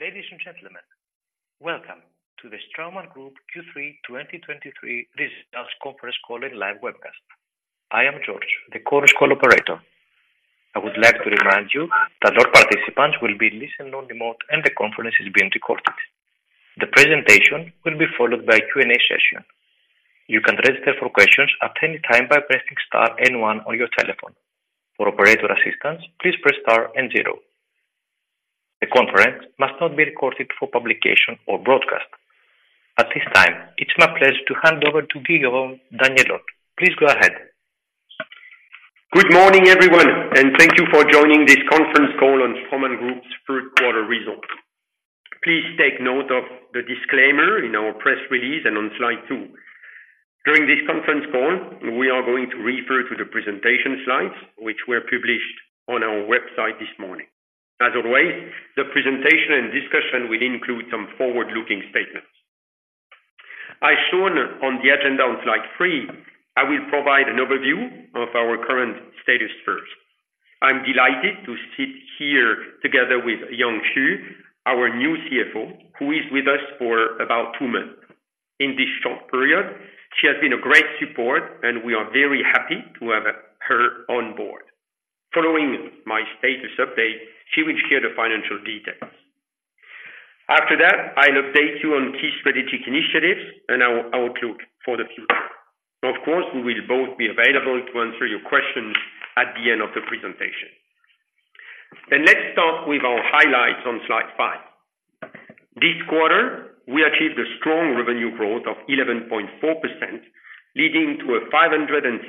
Ladies and gentlemen, welcome to the Straumann Group Q3 2023 results conference call and live webcast. I am George, the conference call operator. I would like to remind you that all participants will be in listen-only mode, and the conference is being recorded. The presentation will be followed by a Q&A session. You can register for questions at any time by pressing star and one on your telephone. For operator assistance, please press star and zero. The conference must not be recorded for publication or broadcast. At this time, it's my pleasure to hand over to Guillaume Daniellot. Please go ahead. Good morning, everyone, and thank you for joining this conference call on Straumann Group's third quarter results. Please take note of the disclaimer in our press release and on slide two. During this conference call, we are going to refer to the presentation slides, which were published on our website this morning. As always, the presentation and discussion will include some forward-looking statements. As shown on the agenda on slide three, I will provide an overview of our current status first. I'm delighted to sit here together with Yang Xu, our new CFO, who is with us for about two months. In this short period, she has been a great support, and we are very happy to have her on board. Following my status update, she will share the financial details. After that, I'll update you on key strategic initiatives and our outlook for the future. Of course, we will both be available to answer your questions at the end of the presentation. Let's start with our highlights on slide five. This quarter, we achieved a strong revenue growth of 11.4%, leading to a 571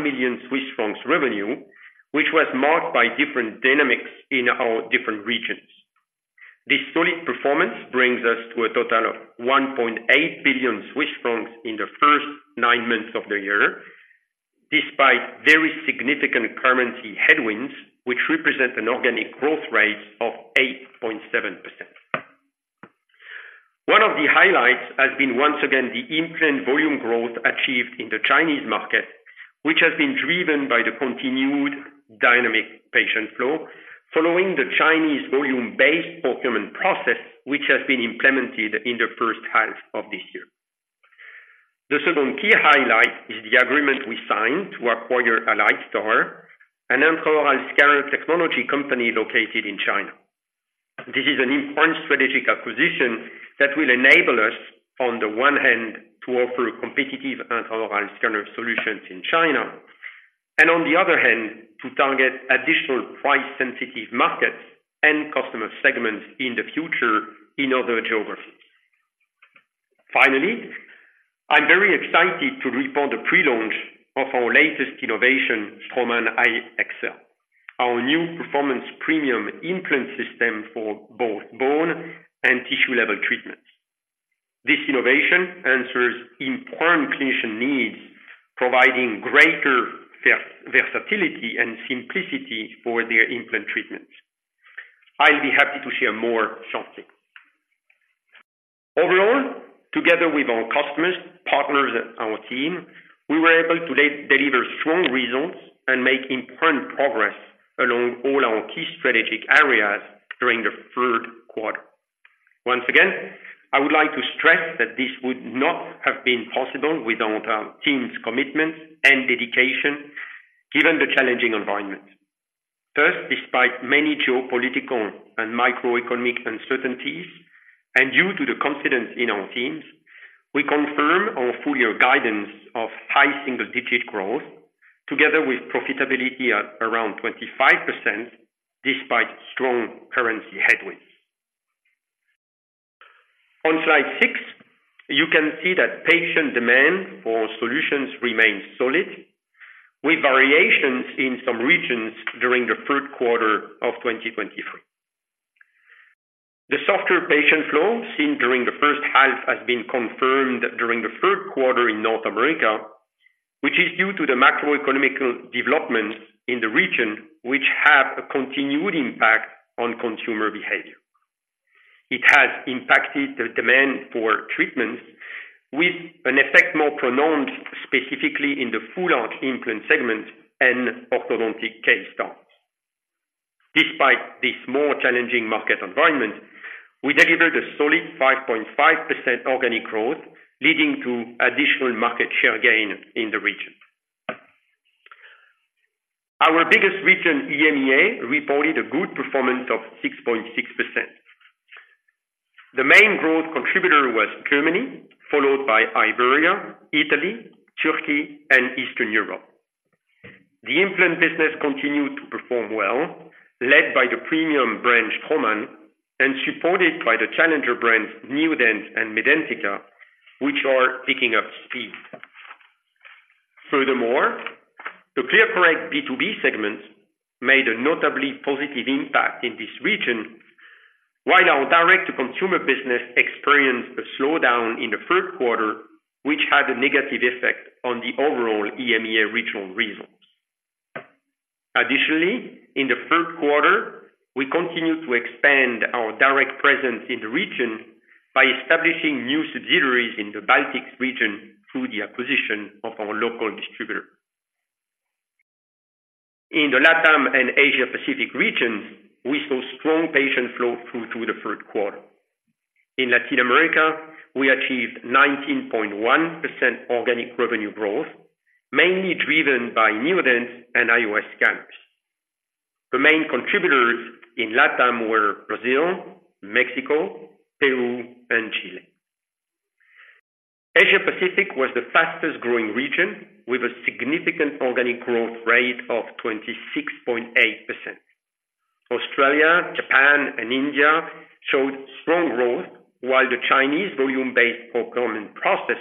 million Swiss francs revenue, which was marked by different dynamics in our different regions. This solid performance brings us to a total of 1.8 billion Swiss francs in the first nine months of the year, despite very significant currency headwinds, which represent an organic growth rate of 8.7%. One of the highlights has been, once again, the implant volume growth achieved in the Chinese market, which has been driven by the continued dynamic patient flow following the Chinese Volume-Based Procurement process, which has been implemented in the first half of this year. The second key highlight is the agreement we signed to acquire AlliedStar, an intraoral scanner technology company located in China. This is an important strategic acquisition that will enable us, on the one hand, to offer competitive intraoral scanner solutions in China, and on the other hand, to target additional price-sensitive markets and customer segments in the future in other geographies. Finally, I'm very excited to report the pre-launch of our latest innovation, Straumann iEXCEL, our new performance premium implant system for both bone and tissue-level treatments. This innovation answers important clinician needs, providing greater versatility and simplicity for their implant treatments. I'll be happy to share more shortly. Overall, together with our customers, partners, and our team, we were able to deliver strong results and make important progress along all our key strategic areas during the third quarter. Once again, I would like to stress that this would not have been possible without our team's commitment and dedication, given the challenging environment. First, despite many geopolitical and macroeconomic uncertainties, and due to the confidence in our teams, we confirm our full year guidance of high single-digit growth, together with profitability at around 25%, despite strong currency headwinds. On slide six, you can see that patient demand for solutions remains solid, with variations in some regions during the third quarter of 2023. The softer patient flow seen during the first half has been confirmed during the third quarter in North America, which is due to the macroeconomic developments in the region, which have a continued impact on consumer behavior. It has impacted the demand for treatments with an effect more pronounced specifically in the full-arch implant segment and orthodontic case starts. Despite this more challenging market environment, we delivered a solid 5.5% organic growth, leading to additional market share gain in the region. Our biggest region, EMEA, reported a good performance of 6.6%. The main growth contributor was Germany, followed by Iberia, Italy, Turkey, and Eastern Europe. The implant business continued to perform well, led by the premium brand, Straumann, and supported by the challenger brands, Neodent and Medentika, which are picking up speed. Furthermore, the ClearCorrect B2B segment made a notably positive impact in this region, while our direct-to-consumer business experienced a slowdown in the third quarter, which had a negative effect on the overall EMEA regional results. Additionally, in the third quarter, we continued to expand our direct presence in the region by establishing new subsidiaries in the Baltics region through the acquisition of our local distributor. In the LATAM and Asia Pacific regions, we saw strong patient flow through to the third quarter. In Latin America, we achieved 19.1% organic revenue growth, mainly driven by Neodent and IOS scans. The main contributors in LATAM were Brazil, Mexico, Peru, and Chile. Asia Pacific was the fastest-growing region, with a significant organic growth rate of 26.8%. Australia, Japan, and India showed strong growth, while the Chinese volume-based procurement process,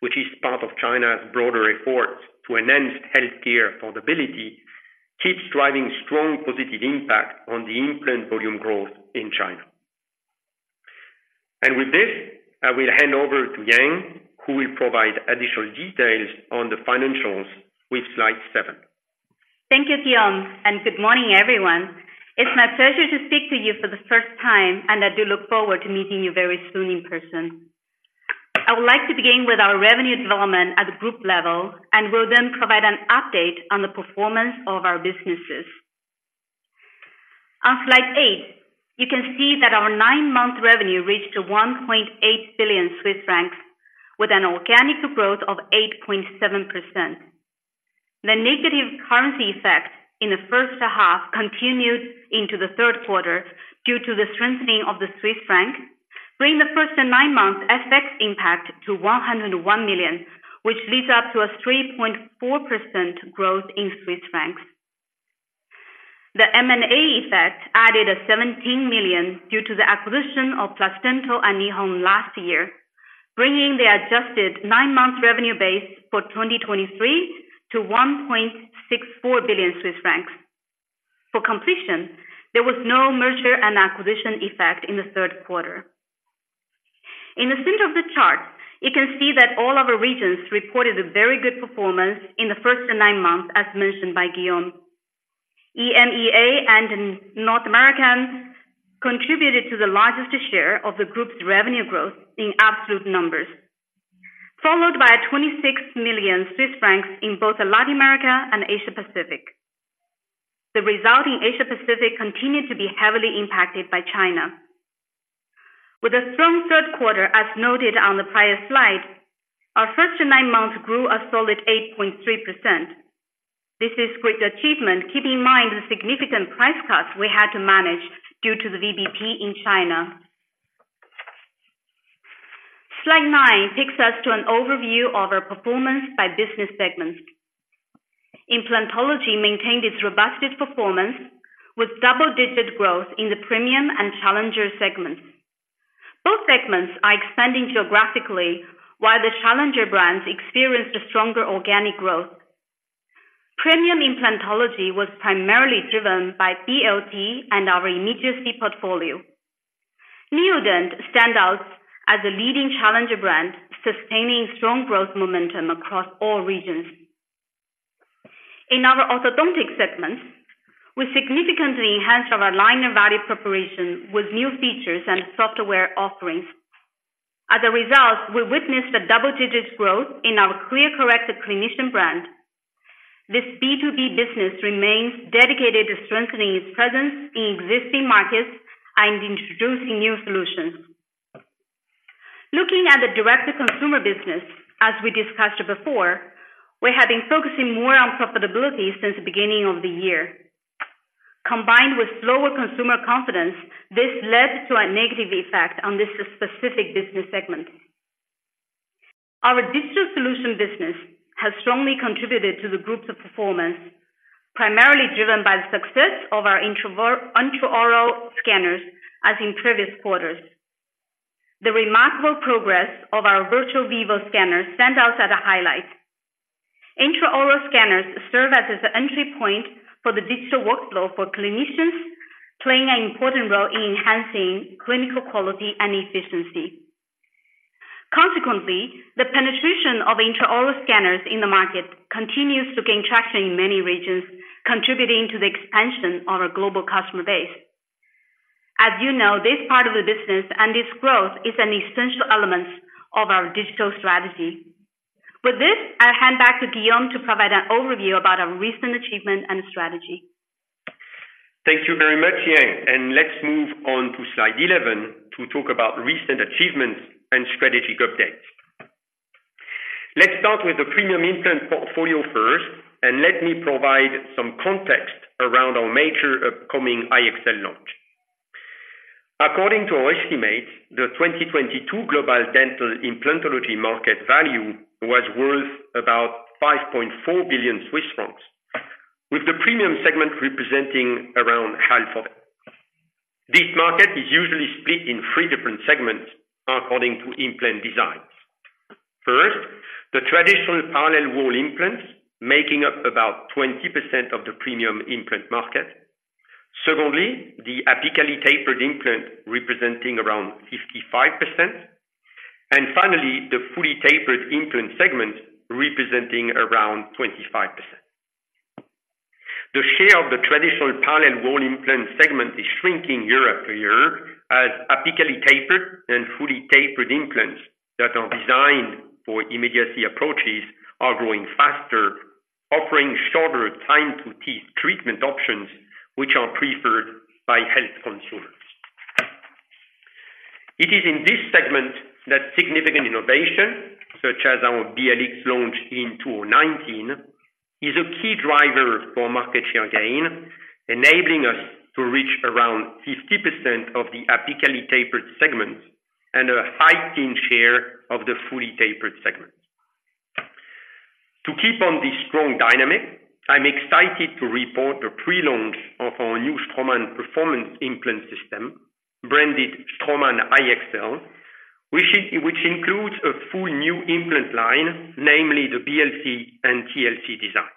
which is part of China's broader efforts to enhance healthcare affordability, keeps driving a strong positive impact on the implant volume growth in China. And with this, I will hand over to Yang, who will provide additional details on the financials with slide seven. Thank you, Guillaume, and good morning, everyone. It's my pleasure to speak to you for the first time, and I do look forward to meeting you very soon in person. I would like to begin with our revenue development at the group level, and will then provide an update on the performance of our businesses. On slide eight, you can see that our nine-month revenue reached 1.8 billion Swiss francs, with an organic growth of 8.7%. The negative currency effect in the first half continued into the third quarter due to the strengthening of the Swiss franc, bringing the first nine months FX impact to 101 million, which leads to a 3.4% growth in Swiss francs. The M&A effect added 17 million due to the acquisition of PlusDental and Nihon last year, bringing the adjusted nine-month revenue base for 2023 to 1.64 billion Swiss francs. For completion, there was no merger and acquisition effect in the third quarter. In the center of the chart, you can see that all our regions reported a very good performance in the first nine months, as mentioned by Guillaume. EMEA and North America contributed to the largest share of the group's revenue growth in absolute numbers, followed by 26 million Swiss francs in both Latin America and Asia Pacific. The result in the Asia Pacific continued to be heavily impacted by China. With a strong third quarter, as noted on the prior slide, our first nine months grew a solid 8.3%. This is a great achievement, keeping in mind the significant price cuts we had to manage due to the VBP in China. Slide nine takes us to an overview of our performance by business segments. Implantology maintained its robust performance with double-digit growth in the premium and challenger segments. Both segments are expanding geographically, while the challenger brands experienced a stronger organic growth. Premium implantology was primarily driven by BLT and our immediacy portfolio. Neodent stands out as a leading challenger brand, sustaining strong growth momentum across all regions. In our orthodontic segments, we significantly enhanced our aligner value preparation with new features and software offerings. As a result, we witnessed a double-digit growth in our ClearCorrect Clinician brand. This B2B business remains dedicated to strengthening its presence in existing markets and introducing new solutions. Looking at the direct-to-consumer business, as we discussed before, we have been focusing more on profitability since the beginning of the year. Combined with lower consumer confidence, this led to a negative effect on this specific business segment. Our digital solution business has strongly contributed to the group's performance, primarily driven by the success of our intraoral scanners, as in previous quarters. The remarkable progress of our Virtuo Vivo scanners stands out as a highlight. Intraoral scanners serve as the entry point for the digital workflow for clinicians, playing an important role in enhancing clinical quality and efficiency. Consequently, the penetration of intraoral scanners in the market continues to gain traction in many regions, contributing to the expansion of our global customer base. As you know, this part of the business and its growth is an essential element of our digital strategy. With this, I'll hand back to Guillaume to provide an overview of make our recent achievements and strategy. Thank you very much, Yang, and let's move on to slide 11 to talk about recent achievements and strategic updates. Let's start with the premium implant portfolio first, and let me provide some context around our major upcoming iEXCEL launch. According to our estimates, the 2022 global dental implantology market value was worth about 5.4 billion Swiss francs, with the premium segment representing around half of it. This market is usually split in three different segments according to implant designs. First, the traditional parallel wall implant making up about 20% of the premium implant market. Secondly, the apically tapered implant, representing around 55%. And finally, the fully tapered implant segment, representing around 25%. The share of the traditional parallel wall implant segment is shrinking year after year, as apically tapered and fully tapered implants that are designed for immediacy approaches are growing faster, offering shorter time to teeth treatment options, which are preferred by health consumers. It is in this segment that significant innovation, such as our BLX launch in 2019, is a key driver for market share gain, enabling us to reach around 50% of the apically tapered segment and a 15% share of the fully tapered segment. To keep on this strong dynamic, I'm excited to report the pre-launch of our new Straumann performance implant system, branded Straumann iEXCEL, which includes a full new implant line, namely the BLC and TLC designs.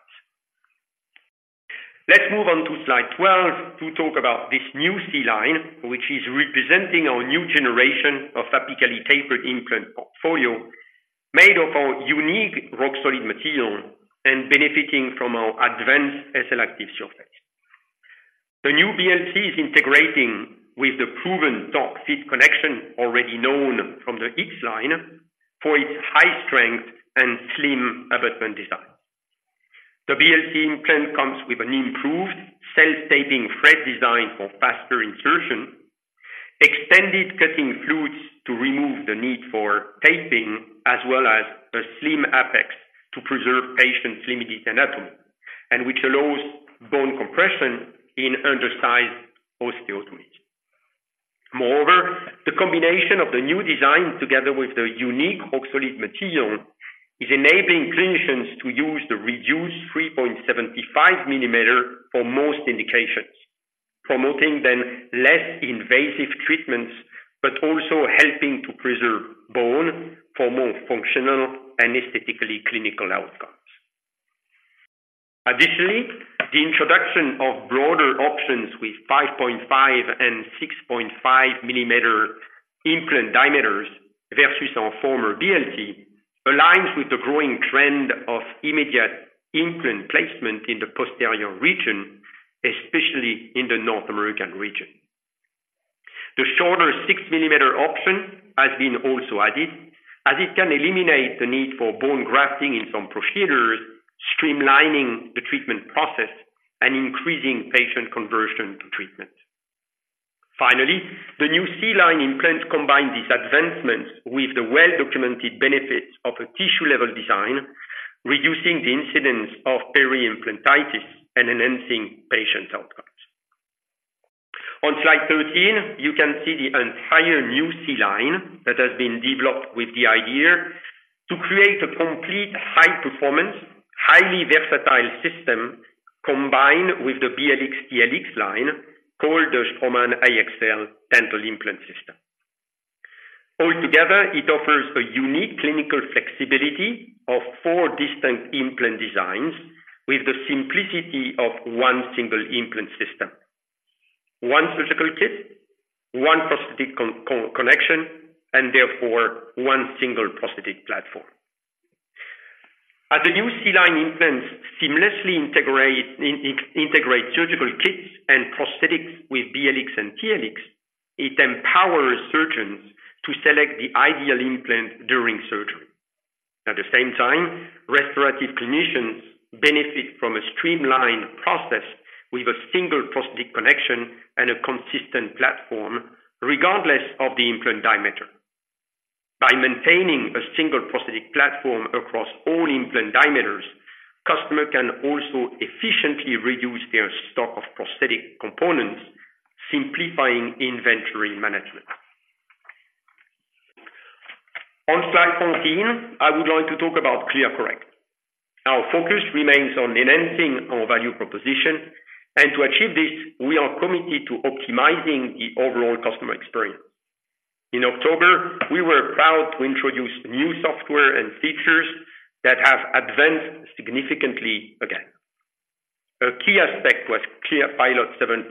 Let's move on to slide 12 to talk about this new C-line, which represents our new generation of apically tapered implant portfolio, made of our unique Roxolid material and benefiting from our advanced SLActive surface. The new BLC is integrating with the proven TorcFit connection, already known from the BLX line, for its high strength and slim abutment design. The BLC implant comes with an improved self-tapping thread design for faster insertion, extended cutting flutes to remove the need for tapping, as well as a slim apex to preserve patient's limited anatomy, and which allows bone compression in undersized osteotomy. Moreover, the combination of the new design together with the unique Roxolid material, is enabling clinicians to use the reduced 3.75 mm for most indications, promoting then less invasive treatments, but also helping to preserve bone for more functional and aesthetically clinical outcomes. Additionally, the introduction of broader options with 5.5-mm and 6.5-mm implant diameters versus our former BLT aligns with the growing trend of immediate implant placement in the posterior region, especially in the North American region. The shorter 6-mm option has been also added, as it can eliminate the need for bone grafting in some procedures, streamlining the treatment process and increasing patient conversion to treatment. Finally, the new C-line implant combine these advancements with the well-documented benefits of a tissue-level design, reducing the incidence of peri-implantitis and enhancing patient outcomes. On slide 13, you can see the entire new C-line that has been developed with the idea to create a complete high-performance, highly versatile system, combined with the BLX/TLX line, called the Straumann iEXCEL dental implant system. Altogether, it offers a unique clinical flexibility of four distinct implant designs with the simplicity of one single implant system, one surgical kit, one prosthetic connection, and therefore one single prosthetic platform. As the new C-line implants seamlessly integrate surgical kits and prosthetics with BLX and TLX, it empowers surgeons to select the ideal implant during surgery. At the same time, restorative clinicians benefit from a streamlined process with a single prosthetic connection and a consistent platform, regardless of the implant diameter. By maintaining a single prosthetic platform across all implant diameters, customers can also efficiently reduce their stock of prosthetic components, simplifying inventory management. On slide 14, I would like to talk about ClearCorrect. Our focus remains on enhancing our value proposition, and to achieve this, we are committed to optimizing the overall customer experience. In October, we were proud to introduce new software and features that have advanced significantly again. A key aspect was ClearPilot 7.0,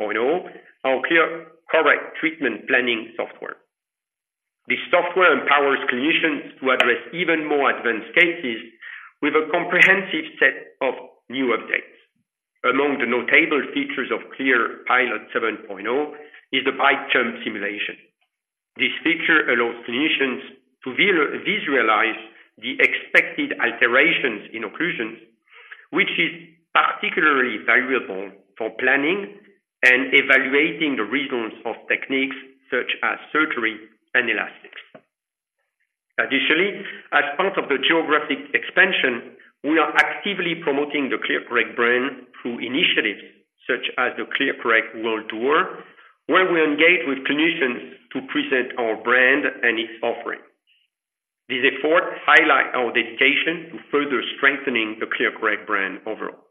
our ClearCorrect treatment planning software. This software empowers clinicians to address even more advanced cases with a comprehensive set of new updates. Among the notable features of ClearPilot 7.0 is the Bite Jump simulation. This feature allows clinicians to visualize the expected alterations in occlusions, which is particularly valuable for planning and evaluating the results of techniques such as surgery and elastics. Additionally, as part of the geographic expansion, we are actively promoting the ClearCorrect brand through initiatives such as the ClearCorrect World Tour, where we engage with clinicians to present our brand and its offerings. This effort highlight our dedication to further strengthening the ClearCorrect brand overall.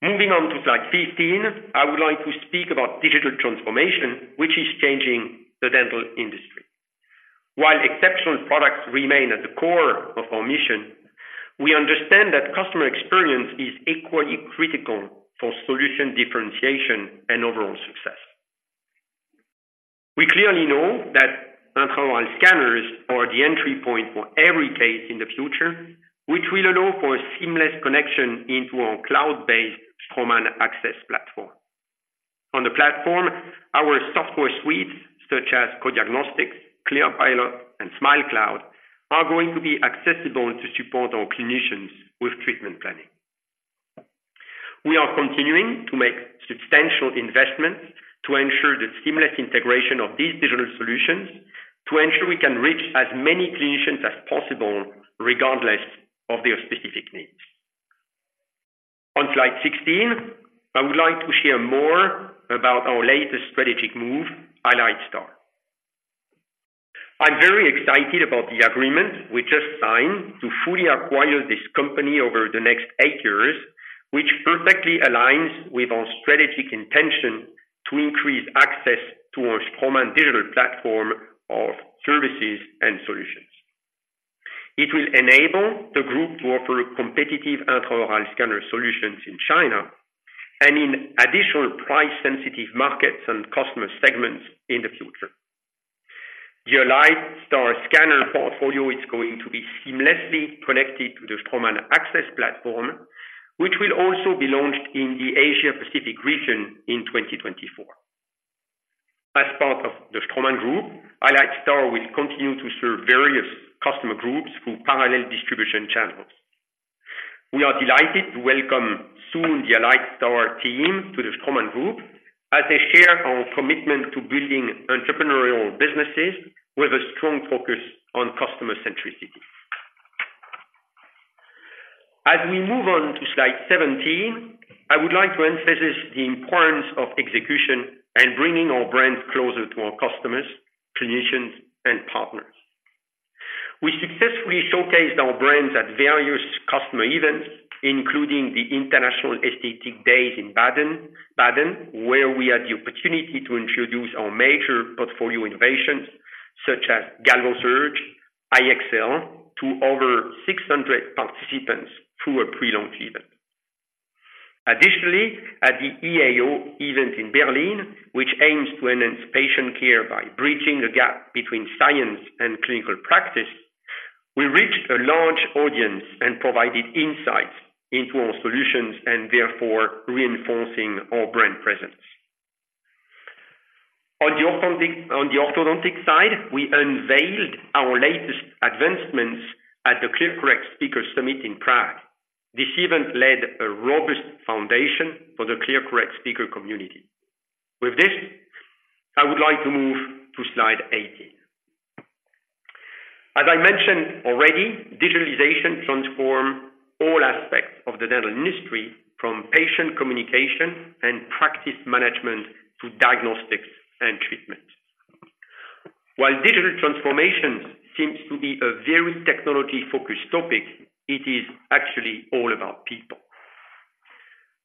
Moving on to slide 15, I would like to speak about digital transformation, which is changing the dental industry. While exceptional products remain at the core of our mission, we understand that customer experience is equally critical for solution differentiation and overall success. We clearly know that intraoral scanners are the entry point for every case in the future, which will allow for a seamless connection into our cloud-based Straumann AXS platform. On the platform, our software suites, such as coDiagnostix, ClearPilot, and SmileCloud, are going to be accessible to support our clinicians with treatment planning. We are continuing to make substantial investments to ensure the seamless integration of these digital solutions, to ensure we can reach as many clinicians as possible, regardless of their specific needs. On slide 16, I would like to share more about our latest strategic move, AlliedStar. I'm very excited about the agreement we just signed to fully acquire this company over the next eight years, which perfectly aligns with our strategic intention to increase access to our Straumann digital platform of services and solutions. It will enable the group to offer competitive intraoral scanner solutions in China and in additional price sensitive markets and customer segments in the future. The AlliedStar scanner portfolio is going to be seamlessly connected to the Straumann AXS platform, which will also be launched in the Asia Pacific region in 2024. As part of the Straumann Group, AlliedStar will continue to serve various customer groups through parallel distribution channels. We are delighted to welcome soon the AlliedStar team to the Straumann Group, as they share our commitment to building entrepreneurial businesses with a strong focus on customer centricity. As we move on to slide 17, I would like to emphasize the importance of execution and bringing our brands closer to our customers, clinicians, and partners. We successfully showcased our brands at various customer events, including the International Esthetic Days in Baden-Baden, where we had the opportunity to introduce our major portfolio innovations, such as GalvoSurge, iEXCEL, to over 600 participants through a pre-launch event. Additionally, at the EAO event in Berlin, which aims to enhance patient care by bridging the gap between science and clinical practice, we reached a large audience and provided insights into our solutions and therefore reinforcing our brand presence. On the orthodontic, on the orthodontic side, we unveiled our latest advancements at the ClearCorrect Speaker Summit in Prague. This event laid a robust foundation for the ClearCorrect speaker community. With this, I would like to move to slide 18. As I mentioned already, digitalization transform all aspects of the dental industry, from patient communication and practice management to diagnostics and treatment. While digital transformation seems to be a very technology-focused topic, it is actually all about people.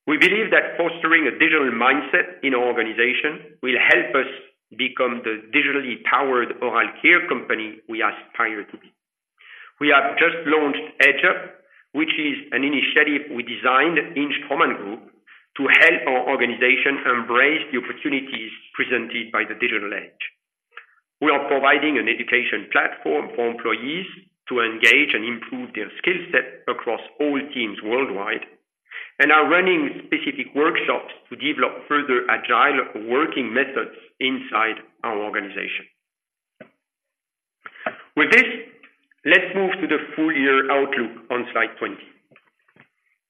We believe that fostering a digital mindset in our organization will help us become the digitally powered oral care company we aspire to be. We have just launched Edge, which is an initiative we designed in Straumann Group to help our organization embrace the opportunities presented by the digital age. We are providing an education platform for employees to engage and improve their skill set across all teams worldwide, and are running specific workshops to develop further agile working methods inside our organization. With this, let's move to the full-year outlook on slide 20.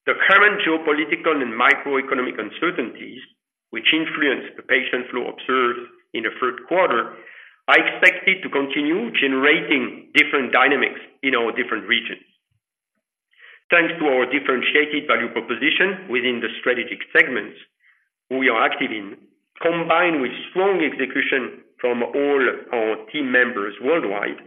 The current geopolitical and macroeconomic uncertainties, which influence the patient flow observed in the third quarter, are expected to continue generating different dynamics in our different regions. Thanks to our differentiated value proposition within the strategic segments we are active in, combined with strong execution from all our team members worldwide,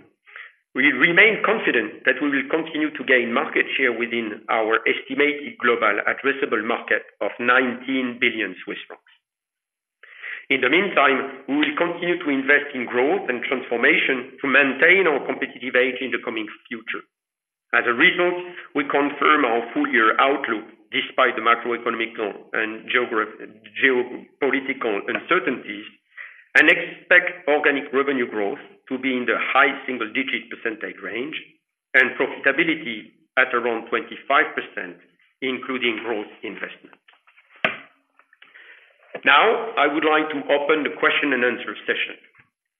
we remain confident that we will continue to gain market share within our estimated global addressable market of 19 billion Swiss francs. In the meantime, we will continue to invest in growth and transformation to maintain our competitive edge in the coming future. As a result, we confirm our full year outlook despite the macroeconomic and geopolitical uncertainties, and expect organic revenue growth to be in the high single digit percentage range and profitability at around 25%, including growth investment. Now, I would like to open the question and answer session.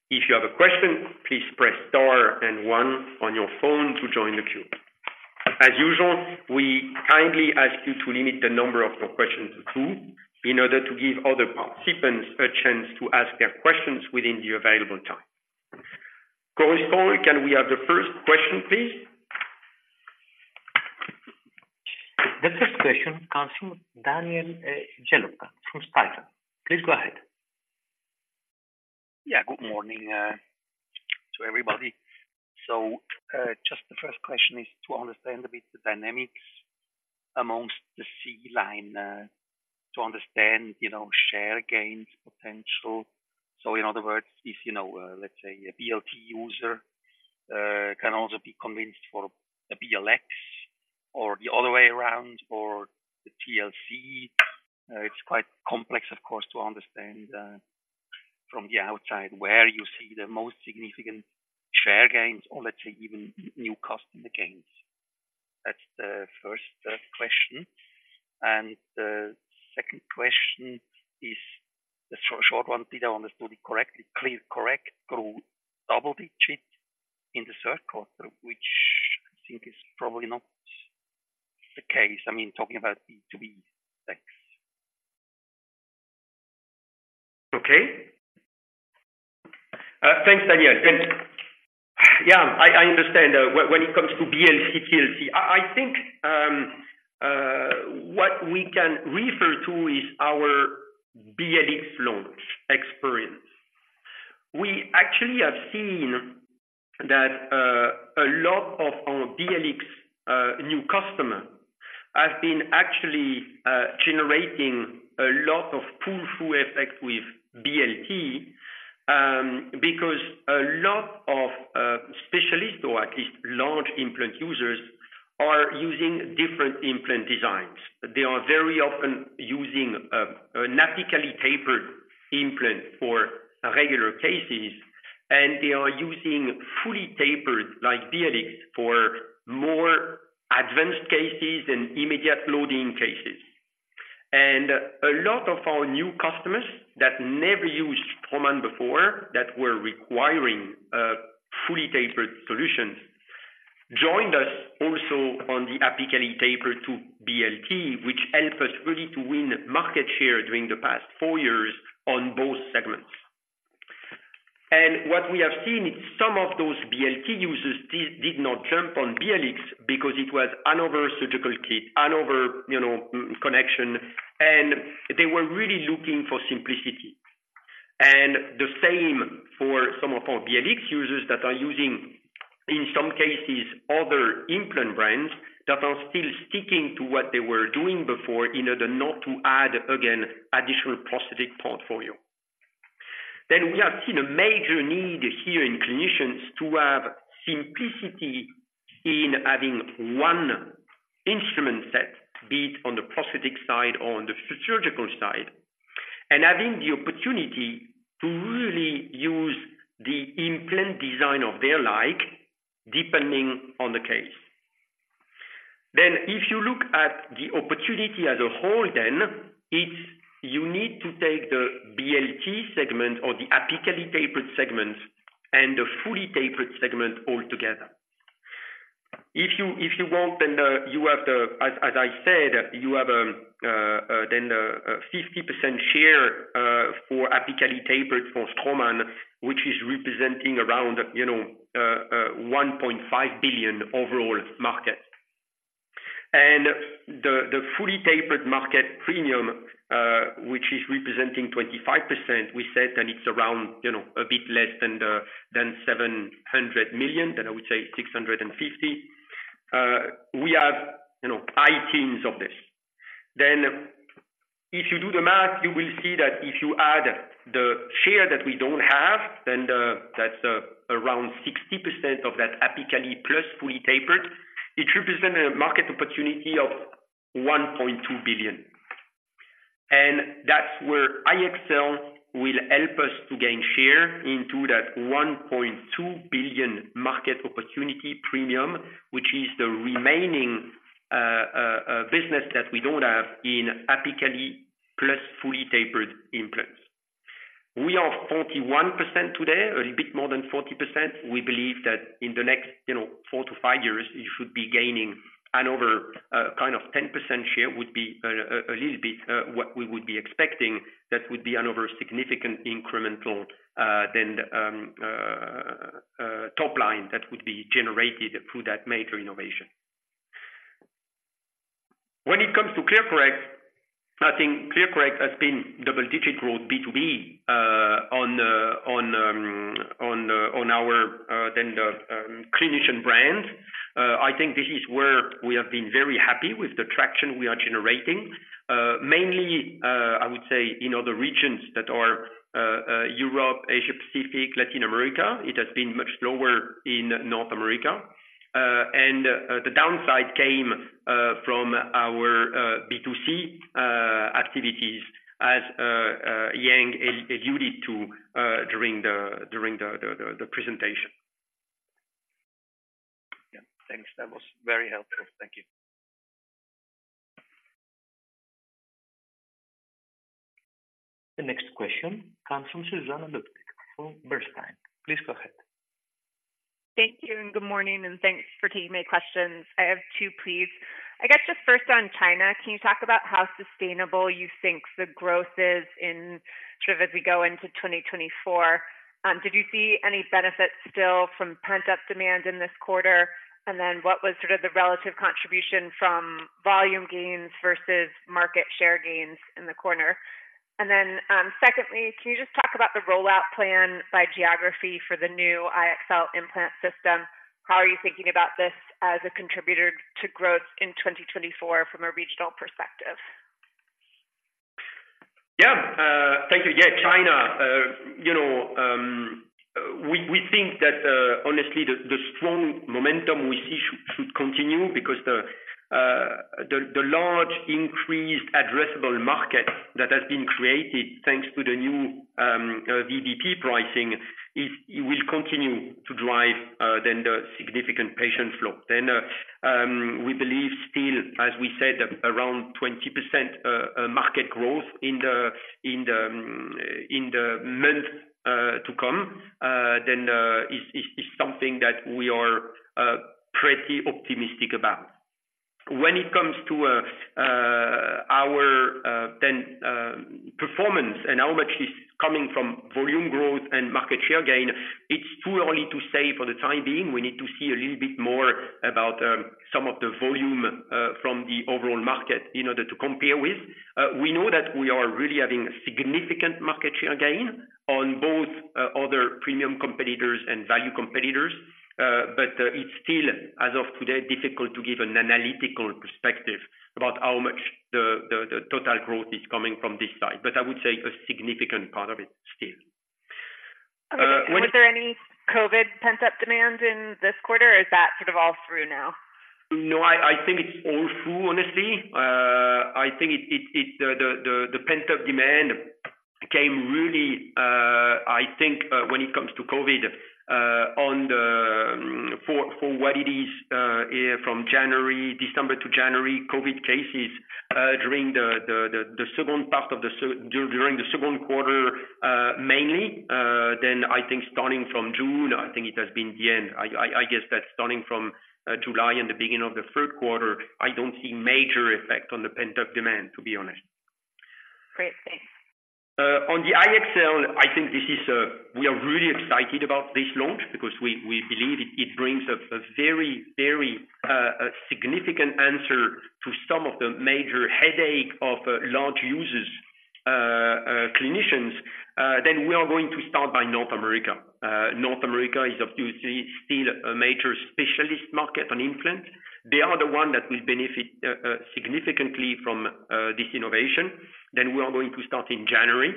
If you have a question, please press star and one on your phone to join the queue. As usual, we kindly ask you to limit the number of your questions to two, in order to give other participants a chance to ask their questions within the available time. Operator, can we have the first question, please? The first question comes from Daniel Jelovcan from Stifel. Please go ahead. Yeah, good morning to everybody. So, just the first question is to understand a bit the dynamics amongst the C-line to understand, you know, share gains potential. So in other words, if you know, let's say a BLT user can also be convinced for a BLX? or the other way around, or the TLC, it's quite complex, of course, to understand from the outside, where you see the most significant share gains or let's say, even new customer gains. That's the first question. And the second question is a short one. Did I understand it correctly? ClearCorrect grew double digits in the third quarter, which I think is probably not the case. I mean, talking about B2B. Thanks. Okay. Thanks, Daniel. Thanks. Yeah, I understand, when it comes to BLC, TLC, I think what we can refer to is our BLX launch experience. We actually have seen that a lot of our BLX new customers have been actually generating a lot of pull-through effect with BLT, because a lot of specialists, or at least large implant users, are using different implant designs. They are very often using an apically tapered implant for regular cases, and they are using fully tapered, like BLX, for more advanced cases and immediate loading cases. And a lot of our new customers that never used Straumann before, that were requiring fully tapered solutions, joined us also on the apically tapered BLT, which helped us really to win market share during the past four years on both segments. What we have seen is some of those BLT users did, did not jump on BLX because it was another surgical kit, another, you know, connection, and they were really looking for simplicity. The same for some of our BLX users that are using, in some cases, other implant brands that are still sticking to what they were doing before, in order not to add, again, additional prosthetic portfolio. We have seen a major need here in clinicians to have simplicity in having one instrument set, be it on the prosthetic side or on the surgical side, and having the opportunity to really use the implant design of their like, depending on the case. If you look at the opportunity as a whole then, it's you need to take the BLT segment or the apically tapered segment, and the fully tapered segment all together. If you want, then, as I said, you have a 50% share for apically tapered for Straumann, which is representing around, you know, 1.5 billion overall market. And the fully tapered market premium, which is representing 25%, we said, and it's around, you know, a bit less than the 700 million, then I would say 650 million. We have, you know, high teens of this. Then if you do the math, you will see that if you add the share that we don't have, then that's around 60% of that apically, plus fully tapered, it represents a market opportunity of 1.2 billion. That's where iEXCEL will help us to gain share into that 1.2 billion market opportunity premium, which is the remaining business that we don't have in apically plus fully tapered implants. We are 41% today, a little bit more than 40%. We believe that in the next, you know, four to five years, we should be gaining another kind of 10% share, would be a little bit what we would be expecting. That would be another significant incremental top line that would be generated through that major innovation. When it comes to ClearCorrect, I think ClearCorrect has been double-digit growth B2B on our clinician brand. I think this is where we have been very happy with the traction we are generating. Mainly, I would say, in other regions that are Europe, Asia Pacific, Latin America, it has been much lower in North America. The downside came from our B2C activities as Yang alluded to during the presentation. Yeah. Thanks. That was very helpful. Thank you. The next question comes from Susannah Ludwig from Bernstein. Please go ahead. Thank you, and good morning, and thanks for taking my questions. I have two, please. I guess just first on China, can you talk about how sustainable you think the growth is in sort of as we go into 2024? Did you see any benefit still from pent-up demand in this quarter? And then what was sort of the relative contribution from volume gains versus market share gains in the quarter? And then, secondly, can you just talk about the rollout plan by geography for the new iEXCEL Implant System? How are you thinking about this as a contributor to growth in 2024 from a regional perspective? Yeah, China, you know, we think that, honestly, the strong momentum we see should continue because the large increased addressable market that has been created, thanks to the new VBP pricing, is. It will continue to drive then the significant patient flow. Then, we believe still, as we said, around 20% market growth in the months to come, then is something that we are pretty optimistic about. When it comes to our then performance and how much is coming from volume growth and market share gain, it's too early to say for the time being. We need to see a little bit more about some of the volume from the overall market in order to compare with. We know that we are really having significant market share gain on both other premium competitors and value competitors. But it's still, as of today, difficult to give an analytical perspective about how much the total growth is coming from this side. But I would say a significant part of it still. (When) Was there any COVID pent-up demand in this quarter, or is that sort of all through now? No, I think it's all through, honestly. I think the pent-up demand came really, I think, when it comes to COVID, on the—for what it is, from January, December to January COVID cases, during the second part of the second quarter, mainly, then I think starting from June, I think it has been the end. I guess that starting from July and the beginning of the third quarter, I don't see major effect on the pent-up demand, to be honest. Great, thanks. On the iEXCEL, I think this is, we are really excited about this launch because we, we believe it, it brings a, a very, very, a significant answer to some of the major headache of large users, clinicians. Then we are going to start by North America. North America is obviously still a major specialist market on implant. They are the one that will benefit, significantly from this innovation. Then we are going to start in January,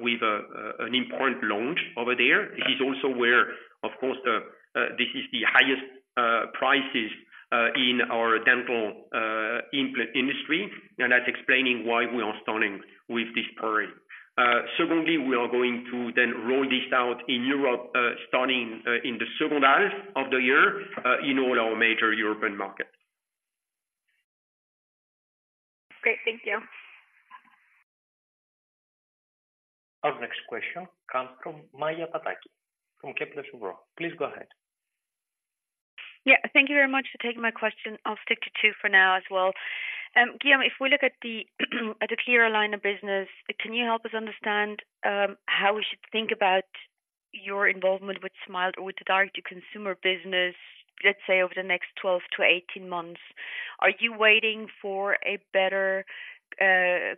with an important launch over there. It is also where, of course, the, this is the highest, prices, in our dental implant industry, and that's explaining why we are starting with this. Secondly, we are going to then roll this out in Europe, starting in the second half of the year, in all our major European markets. Great, thank you. Our next question comes from Maja Pataki from Kepler Cheuvreux. Please go ahead. Yeah, thank you very much for taking my question. I'll stick to two for now as well. Guillaume, if we look at the clear aligner business, can you help us understand how we should think about your involvement with DrSmile, or with the direct-to-consumer business, let's say over the next 12-18 months? Are you waiting for a better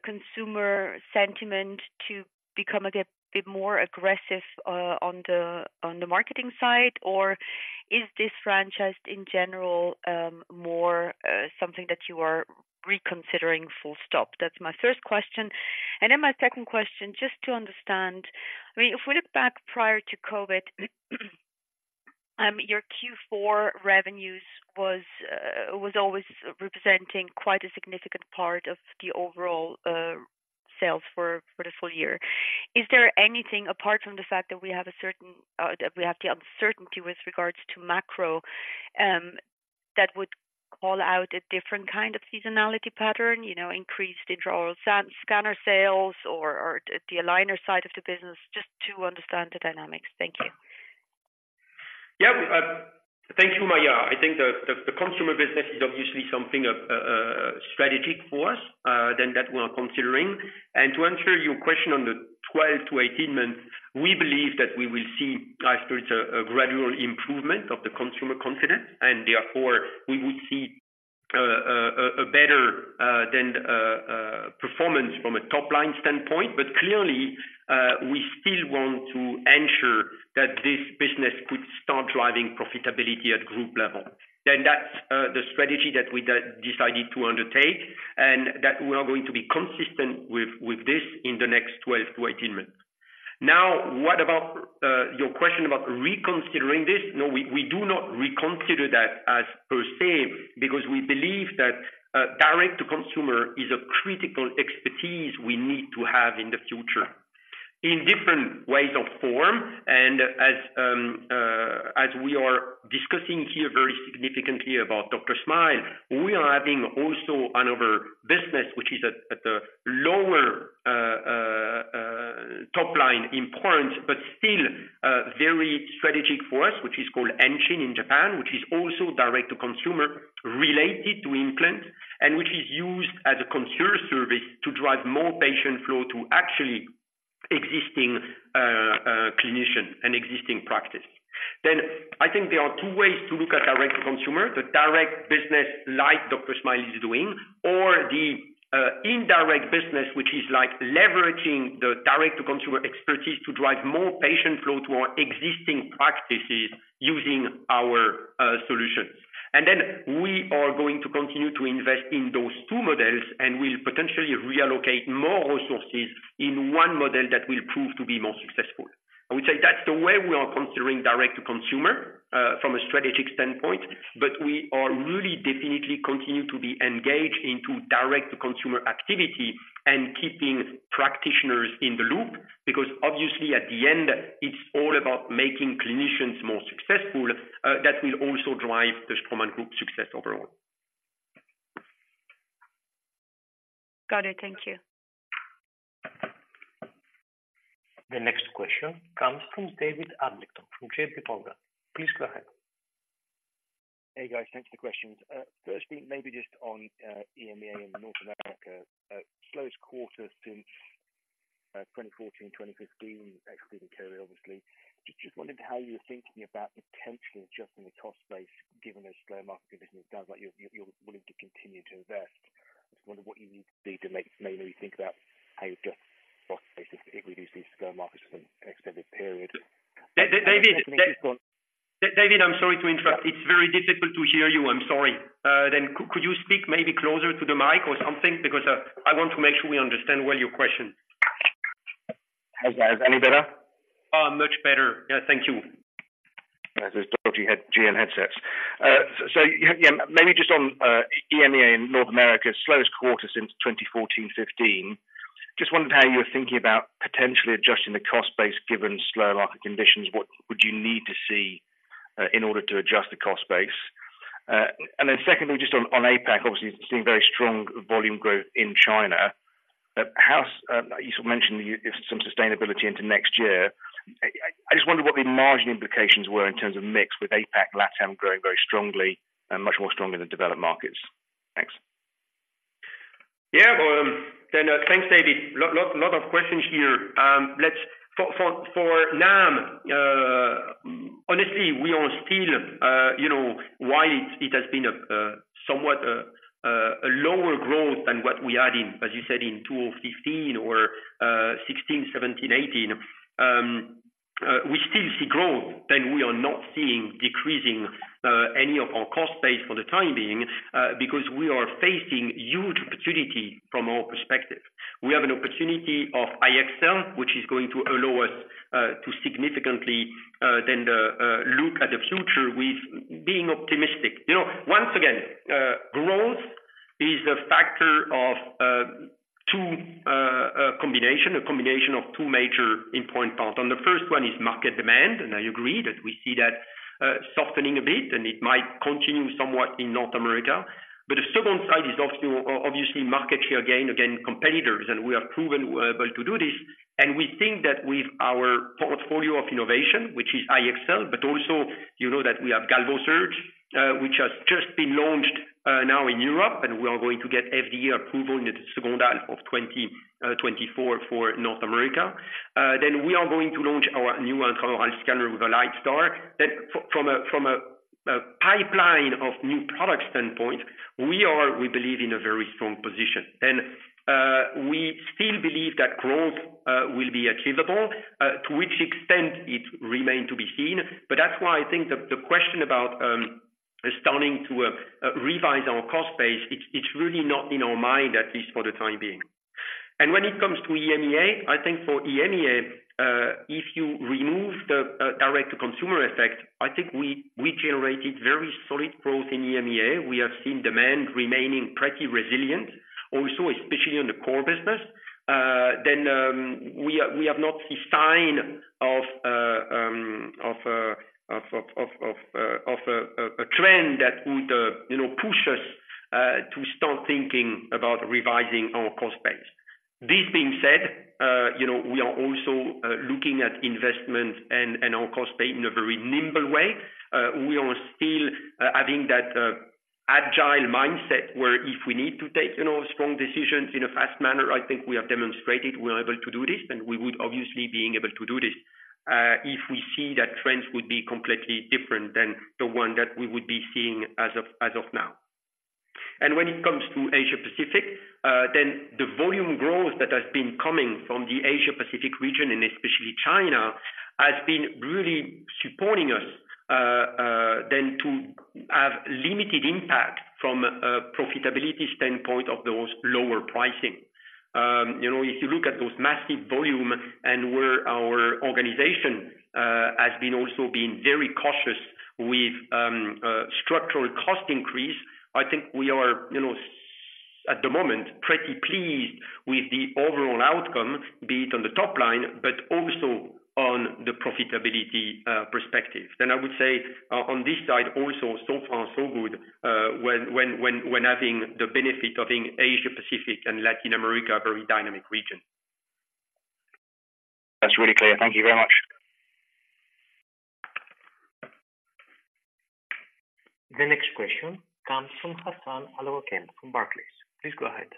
consumer sentiment to become a bit more aggressive on the marketing side? Or is this franchise in general more something that you are reconsidering full stop? That's my first question. And then my second question, just to understand, I mean, if we look back prior to COVID, your Q4 revenues was always representing quite a significant part of the overall sales for the full year. Is there anything, apart from the fact that we have a certain that we have the uncertainty with regards to macro, that would call out a different kind of seasonality pattern, you know, increased intraoral scanner sales or, or the aligner side of the business, just to understand the dynamics? Thank you. Yeah. Thank you, Maja. I think the consumer business is obviously something of strategic for us, then that we are considering. And to answer your question on the 12-18 months, we believe that we will see, I think, a gradual improvement of the consumer confidence, and therefore, we would see a better than performance from a top line standpoint. But clearly, we still want to ensure that this business could start driving profitability at group level. Then that's the strategy that we decided to undertake, and that we are going to be consistent with this in the next 12-18 months. Now, what about your question about reconsidering this? No, we do not reconsider that as per se, because we believe that direct-to-consumer is a critical expertise we need to have in the future, in different ways or form. And as we are discussing here very significantly about DrSmile, we are having also another business, which is at the lower top line in point, but still very strategic for us, which is called Anshin in Japan, which is also direct-to-consumer, related to implant, and which is used as a consumer service to drive more patient flow to actually existing clinician and existing practice. Then I think there are two ways to look at direct-to-consumer: the direct business, like DrSmile is doing, or the indirect business, which is like leveraging the direct-to-consumer expertise to drive more patient flow to our existing practices using our solutions. And then we are going to continue to invest in those two models, and we'll potentially reallocate more resources in one model that will prove to be more successful.... I would say that's the way we are considering direct-to-consumer from a strategic standpoint, but we are really definitely continue to be engaged into direct-to-consumer activity and keeping practitioners in the loop, because obviously at the end, it's all about making clinicians more successful that will also drive the Straumann Group success overall. Got it. Thank you. The next question comes from David Adlington from JPMorgan. Please go ahead. Hey, guys. Thanks for the questions. Firstly, maybe just on EMEA and North America, slowest quarter since 2014, 2015, excluding COVID, obviously. Just wondering how you were thinking about potentially adjusting the cost base, given the slow market conditions. It does like you're willing to continue to invest. I just wonder what you need to see to make, maybe think about how you adjust cost base if we see slow markets for an extended period. Da-David-Go on. David, I'm sorry to interrupt. It's very difficult to hear you. I'm sorry. Then could you speak maybe closer to the mic or something? Because I want to make sure we understand well your question. Hi, guys. Any better? Much better. Yeah, thank you. There's dodgy head- GN headsets. So yeah, maybe just on, EMEA and North America, slowest quarter since 2014, 2015. Just wondering how you were thinking about potentially adjusting the cost base given slow market conditions. What would you need to see, in order to adjust the cost base? And then secondly, just on, on APAC, obviously seeing very strong volume growth in China, how's you sort of mentioned you some sustainability into next year. I just wondered what the margin implications were in terms of mix with APAC, LATAM growing very strongly and much more strongly than developed markets. Thanks. Yeah. Well, then, thanks, David. Lot, lot, lot of questions here. Let's—for now, honestly, we are still, you know, while it has been somewhat a lower growth than what we had in, as you said, in 2015 or 2016, 2017, 2018. We still see growth, then we are not seeing decreasing any of our cost base for the time being, because we are facing huge opportunity from our perspective. We have an opportunity of iEXCEL, which is going to allow us to significantly then look at the future with being optimistic. You know, once again, growth is a factor of two combination, a combination of two major important part. And the first one is market demand, and I agree that we see that, softening a bit, and it might continue somewhat in North America. But the second side is also obviously, market share gain, again, competitors, and we have proven we're able to do this. And we think that with our portfolio of innovation, which is iEXCEL, but also, you know that we have GalvoSurge, which has just been launched, now in Europe, and we are going to get FDA approval in the second half of 2024 for North America. Then we are going to launch our new intraoral scanner, the AlliedStar. From a pipeline of new products standpoint, we are, we believe, in a very strong position, and we still believe that growth will be achievable, to which extent it remain to be seen. But that's why I think the question about starting to revise our cost base, it's really not in our mind, at least for the time being. And when it comes to EMEA, I think for EMEA, if you remove the direct-to-consumer effect, I think we generated very solid growth in EMEA. We have seen demand remaining pretty resilient also, especially in the core business. Then, we have not see sign of a trend that would, you know, push us to start thinking about revising our cost base. This being said, you know, we are also looking at investments and our cost base in a very nimble way. We are still having that agile mindset, where if we need to take, you know, strong decisions in a fast manner, I think we have demonstrated we're able to do this, and we would obviously being able to do this if we see that trends would be completely different than the one that we would be seeing as of now. When it comes to Asia Pacific, then the volume growth that has been coming from the Asia Pacific region, and especially China, has been really supporting us, than to have limited impact from a profitability standpoint of those lower pricing. You know, if you look at those massive volume and where our organization has been also being very cautious with structural cost increase, I think we are, you know, at the moment, pretty pleased with the overall outcome, be it on the top line, but also on the profitability perspective. Then I would say, on this side, also so far, so good, when having the benefit of having Asia Pacific and Latin America, very dynamic region. That's really clear. Thank you very much. The next question comes from Hassan Al-Wakeel from Barclays. Please go ahead.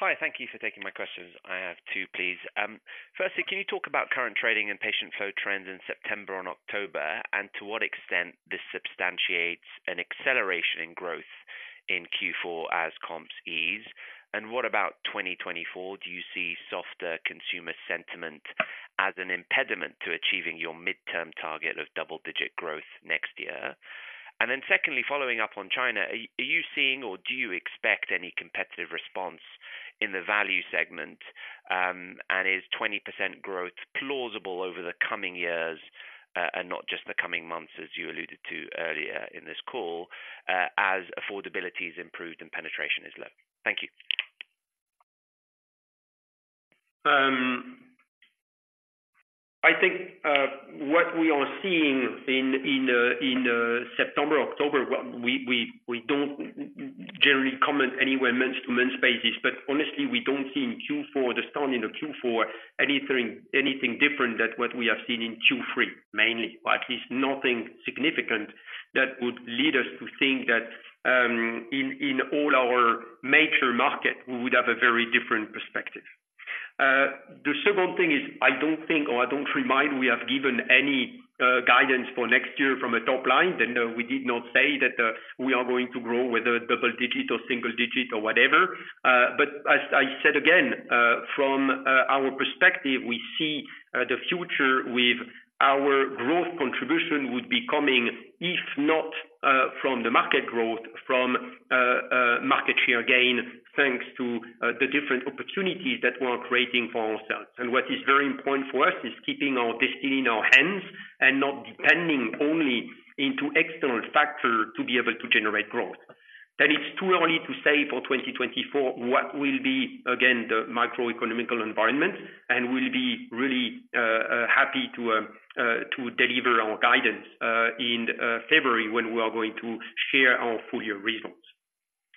Hi, thank you for taking my questions. I have two, please. Firstly, can you talk about current trading and patient flow trends in September and October, and to what extent this substantiates an acceleration in growth in Q4 as comps ease? And what about 2024? Do you see softer consumer sentiment as an impediment to achieving your midterm target of double-digit growth next year? And then secondly, following up on China, are you seeing or do you expect any competitive response in the value segment? And is 20% growth plausible over the coming years, and not just the coming months, as you alluded to earlier in this call, as affordability is improved and penetration is low? Thank you. I think what we are seeing in September, October, we don't generally comment anywhere month-to-month basis, but honestly, we don't see in Q4, the start in the Q4, anything different than what we have seen in Q3, mainly. Or at least nothing significant that would lead us to think that in all our major market, we would have a very different perspective. The second thing is, I don't think, or I don't remind, we have given any guidance for next year from a top line, and we did not say that we are going to grow whether double-digit or single-digit or whatever. As I said again, from our perspective, we see the future with our growth contribution would be coming, if not from the market growth, from market share gain, thanks to the different opportunities that we're creating for ourselves. What is very important for us is keeping our destiny in our hands and not depending only into external factor to be able to generate growth. It's too early to say for 2024 what will be, again, the microeconomic environment, and we'll be really happy to deliver our guidance in February, when we are going to share our full year results.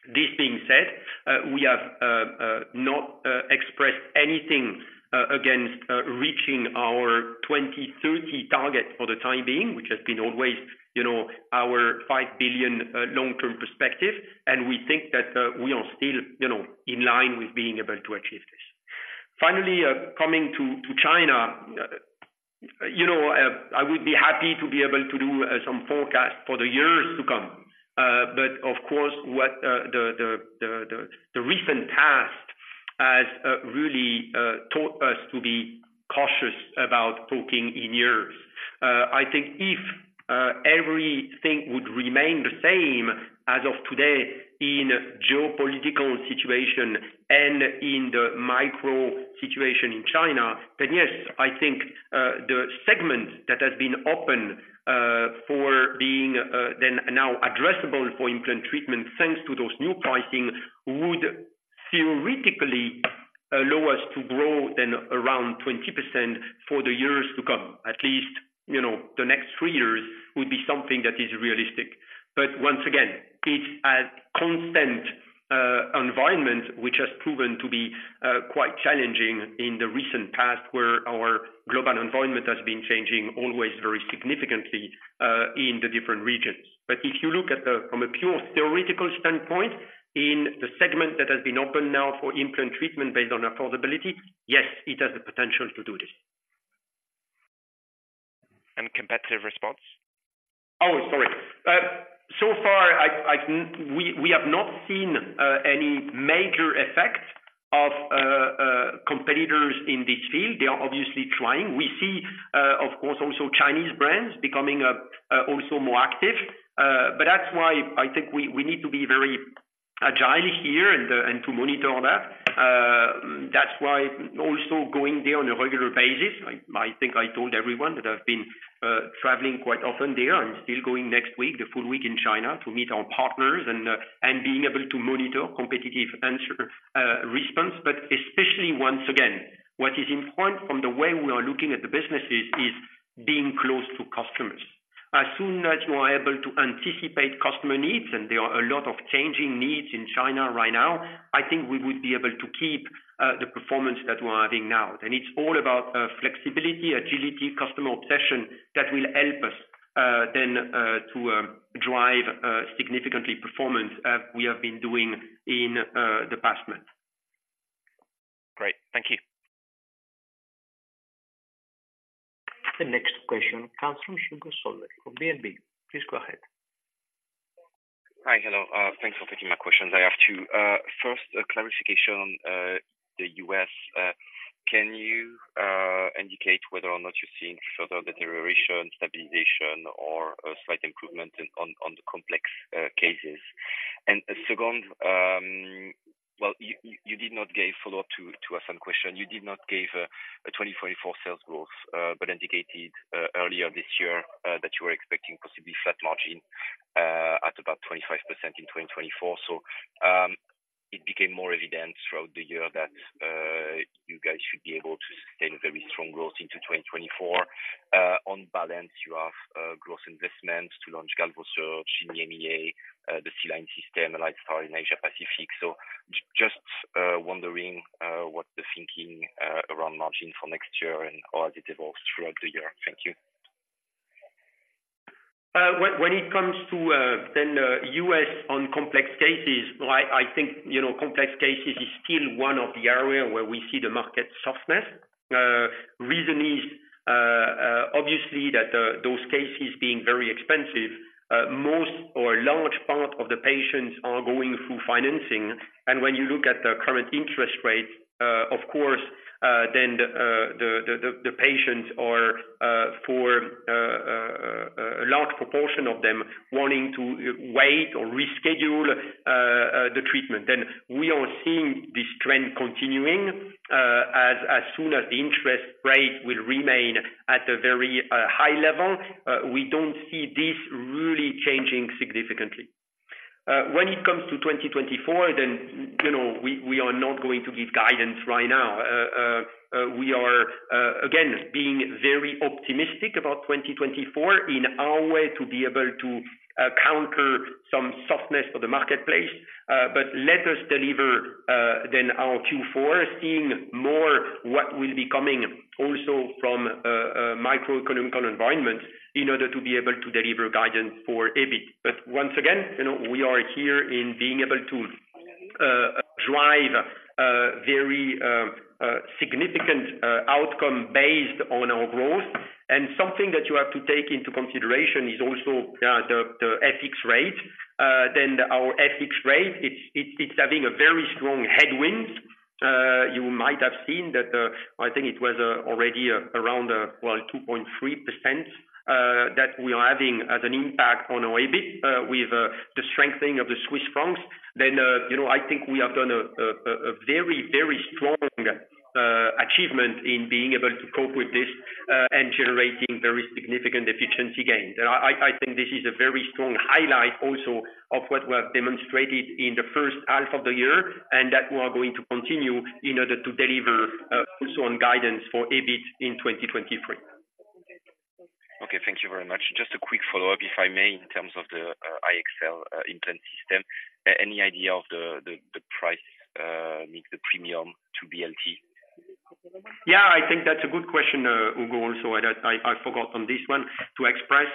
This being said, we have not expressed anything against reaching our 2030 target for the time being, which has been always, you know, our 5 billion long-term perspective. And we think that we are still, you know, in line with being able to achieve this. Finally, coming to China, you know, I would be happy to be able to do some forecast for the years to come. But of course, what the recent past has really taught us to be cautious about talking in years. I think if everything would remain the same as of today in geopolitical situation and in the micro situation in China, then, yes, I think, the segment that has been open, for being, then now addressable for implant treatment, thanks to those new pricing, would theoretically allow us to grow then around 20% for the years to come. At least, you know, the next three years would be something that is realistic. But once again, it's a constant, environment, which has proven to be, quite challenging in the recent past, where our global environment has been changing always very significantly, in the different regions. But if you look at from a pure theoretical standpoint, in the segment that has been open now for implant treatment based on affordability, yes, it has the potential to do this. Competitive response? Oh, sorry. So far, we have not seen any major effect of competitors in this field. They are obviously trying. We see, of course, also Chinese brands becoming also more active, but that's why I think we need to be very agile here and to monitor all that. That's why also going there on a regular basis, I think I told everyone that I've been traveling quite often there and still going next week, the full week in China, to meet our partners and being able to monitor competitive answer, response. But especially once again, what is important from the way we are looking at the businesses, is being close to customers. As soon as you are able to anticipate customer needs, and there are a lot of changing needs in China right now, I think we would be able to keep the performance that we're having now. And it's all about flexibility, agility, customer obsession that will help us then to drive significantly performance as we have been doing in the past month. Great. Thank you. The next question comes from Hugo Solvet from BNP. Please go ahead. Hi. Hello, thanks for taking my questions. I have two. First, a clarification, the U.S., can you indicate whether or not you're seeing further deterioration, stabilization, or a slight improvement in the complex cases? And second, well, you did not give follow-up to Hassan's question. You did not give a 2024 sales growth, but indicated, earlier this year, that you were expecting possibly flat margin at about 25% in 2024. So, it became more evident throughout the year that you guys should be able to sustain very strong growth into 2024. On balance, you have growth investments to launch GalvoSurge in the EMEA, the C-line system, and AlliedStar in Asia Pacific. Just wondering what the thinking around margin for next year and how has it evolved throughout the year? Thank you. When, when it comes to, then the U.S. on complex cases, well, I, I think, you know, complex cases is still one of the area where we see the market softness. Reason is, obviously that, those cases being very expensive, most or a large part of the patients are going through financing, and when you look at the current interest rate, of course, then the, the, the, the patients are, for, a large proportion of them wanting to wait or reschedule, the treatment. Then we are seeing this trend continuing, as, as soon as the interest rate will remain at a very, high level, we don't see this really changing significantly. When it comes to 2024, then, you know, we, we are not going to give guidance right now. We are again being very optimistic about 2024 in our way to be able to counter some softness of the marketplace, but let us deliver then our Q4, seeing more what will be coming also from a microeconomic environment in order to be able to deliver guidance for EBIT. But once again, you know, we are here in being able to drive very significant outcome based on our growth. And something that you have to take into consideration is also the FX rate, then our FX rate, it's having a very strong headwind. You might have seen that, I think it was already around, well, 2.3%, that we are having as an impact on our EBIT with the strengthening of the Swiss francs. Then, you know, I think we have done a very, very strong achievement in being able to cope with this and generating very significant efficiency gains. And I think this is a very strong highlight also of what we have demonstrated in the first half of the year, and that we are going to continue in order to deliver also on guidance for EBIT in 2023. Okay, thank you very much. Just a quick follow-up, if I may, in terms of the iEXCEL Implant System. Any idea of the price make the premium to BLT? Yeah, I think that's a good question, Hugo, also, I forgot on this one to express.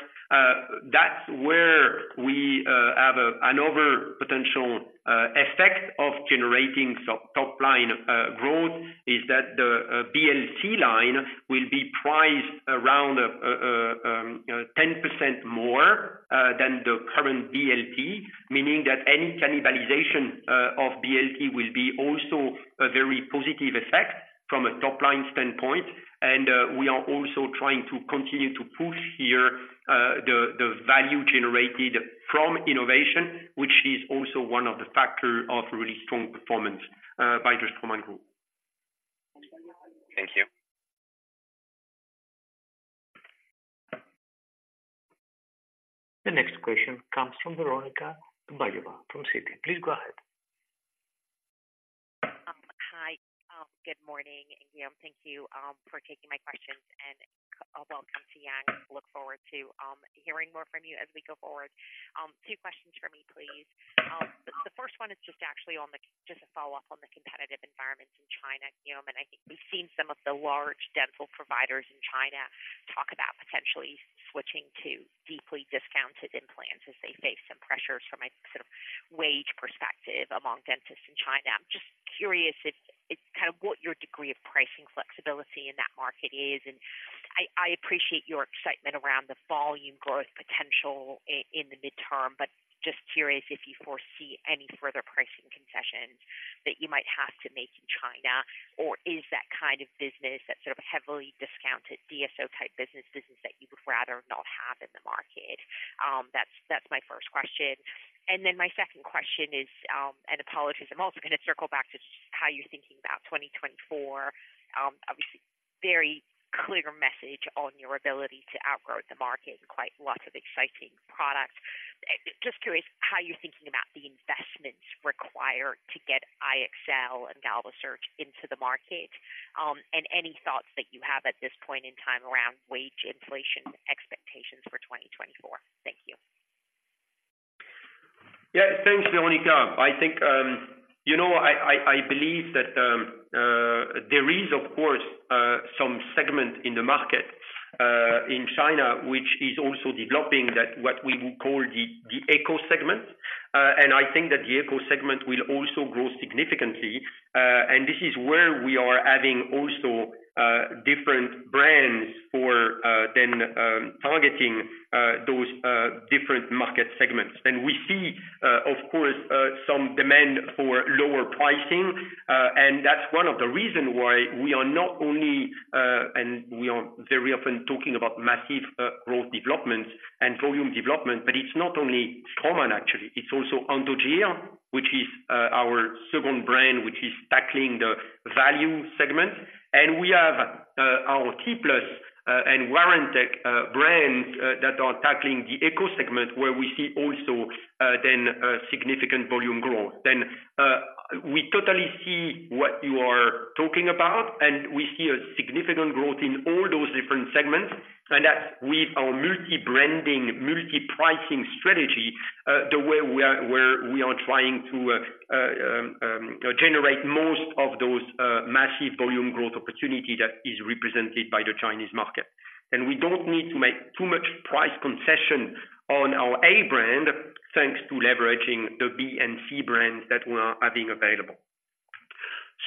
That's where we have another potential effect of generating top line growth, is that the BLC line will be priced around 10% more than the current BLT, meaning that any cannibalization of BLT will be also a very positive effect from a top line standpoint. And we are also trying to continue to push here the value generated from innovation, which is also one of the factor of really strong performance by the Straumann Group. Thank you. The next question comes from Veronika Dubajova from Citi. Please go ahead. Hi. Good morning, Guillaume. Thank you for taking my questions, and welcome to Yang. Look forward to hearing more from you as we go forward. Two questions for me, please. The first one is just actually on the just a follow-up on the competitive environment in China, Guillaume, and I think we've seen some of the large dental providers in China talk about potentially switching to deeply discounted implants as they face some pressures from a sort of wage perspective among dentists in China. I'm just curious if it kind of what your degree of pricing flexibility in that market is, and I appreciate your excitement around the volume growth potential in the midterm, but just curious if you foresee any further pricing concessions that you might have to make in China, or is that kind of business, that sort of heavily discounted DSO type business, business that you would rather not have in the market? That's my first question. My second question is, and apologies, I'm also going to circle back to how you're thinking about 2024. Obviously, very clear message on your ability to outgrow the market and quite lots of exciting products. Just curious how you're thinking about the investments required to get iEXCEL and GalvoSurge into the market, and any thoughts that you have at this point in time around wage inflation expectations for 2024? Thank you. Yeah. Thanks, Veronika. I think, you know, I believe that there is of course some segment in the market in China which is also developing that what we would call the eco segment. And I think that the eco segment will also grow significantly and this is where we are adding also different brands for then targeting those different market segments. And we see of course some demand for lower pricing and that's one of the reason why we are not only and we are very often talking about massive growth development and volume development but it's not only Straumann actually it's also Anthogyr which is our second brand which is tackling the value segment. We have our T-Plus and Warentec brands that are tackling the eco segment, where we see also then significant volume growth. We totally see what you are talking about, and we see a significant growth in all those different segments, and that with our multi-branding, multi-pricing strategy, the way we are trying to generate most of those massive volume growth opportunity that is represented by the Chinese market. We don't need to make too much price concession on our A brand, thanks to leveraging the B and C brands that we are having available.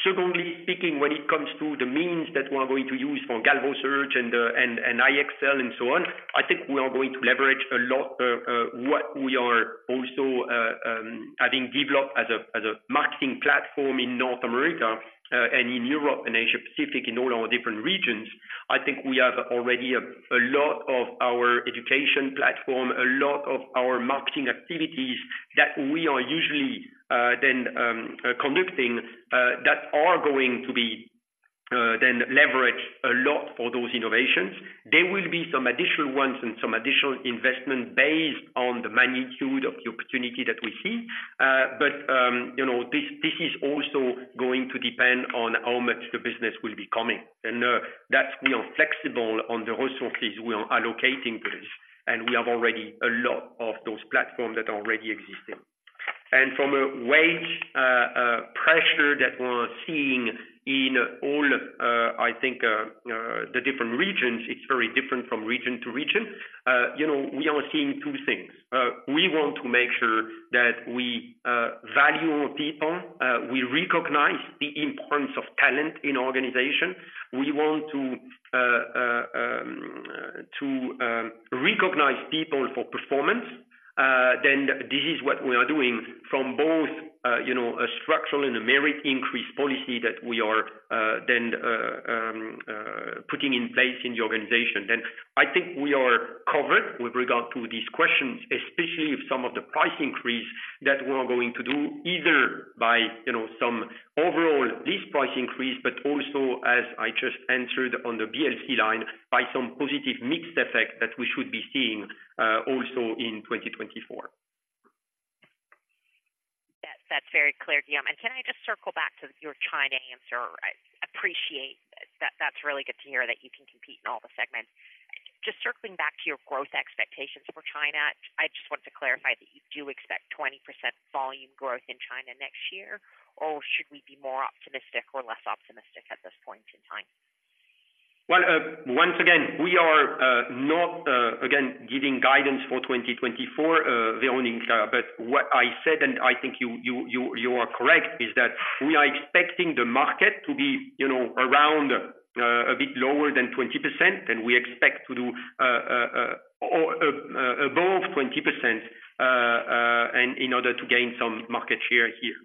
Secondly speaking, when it comes to the means that we are going to use for GalvoSurge and iEXCEL and so on, I think we are going to leverage a lot what we are also having developed as a marketing platform in North America and in Europe and Asia Pacific, in all our different regions. I think we have already a lot of our education platform, a lot of our marketing activities that we are usually conducting that are going to be leveraged a lot for those innovations. There will be some additional ones and some additional investment based on the magnitude of the opportunity that we see. But you know, this is also going to depend on how much the business will be coming, and that we are flexible on the resources we are allocating for this, and we have already a lot of those platforms that are already existing. From a wage pressure that we're seeing in all, I think, the different regions, it's very different from region to region. You know, we are seeing two things. We want to make sure that we value our people, we recognize the importance of talent in organization. We want to recognize people for performance. Then this is what we are doing from both, you know, a structural and a merit increase policy that we are then putting in place in the organization. Then I think we are covered with regard to these questions, especially if some of the price increase that we are going to do, either by, you know, some overall list price increase, but also, as I just answered on the BLC line, by some positive mix effect that we should be seeing, also in 2024. That's, that's very clear, Guillaume. Can I just circle back to your China answer? I appreciate that. That's really good to hear that you can compete in all the segments. Just circling back to your growth expectations for China, I just want to clarify that you do expect 20% volume growth in China next year, or should we be more optimistic or less optimistic at this point in time? Well, once again, we are not again giving guidance for 2024, the only... But what I said, and I think you are correct, is that we are expecting the market to be, you know, around a bit lower than 20%, and we expect to do or above 20%, and in order to gain some market share here.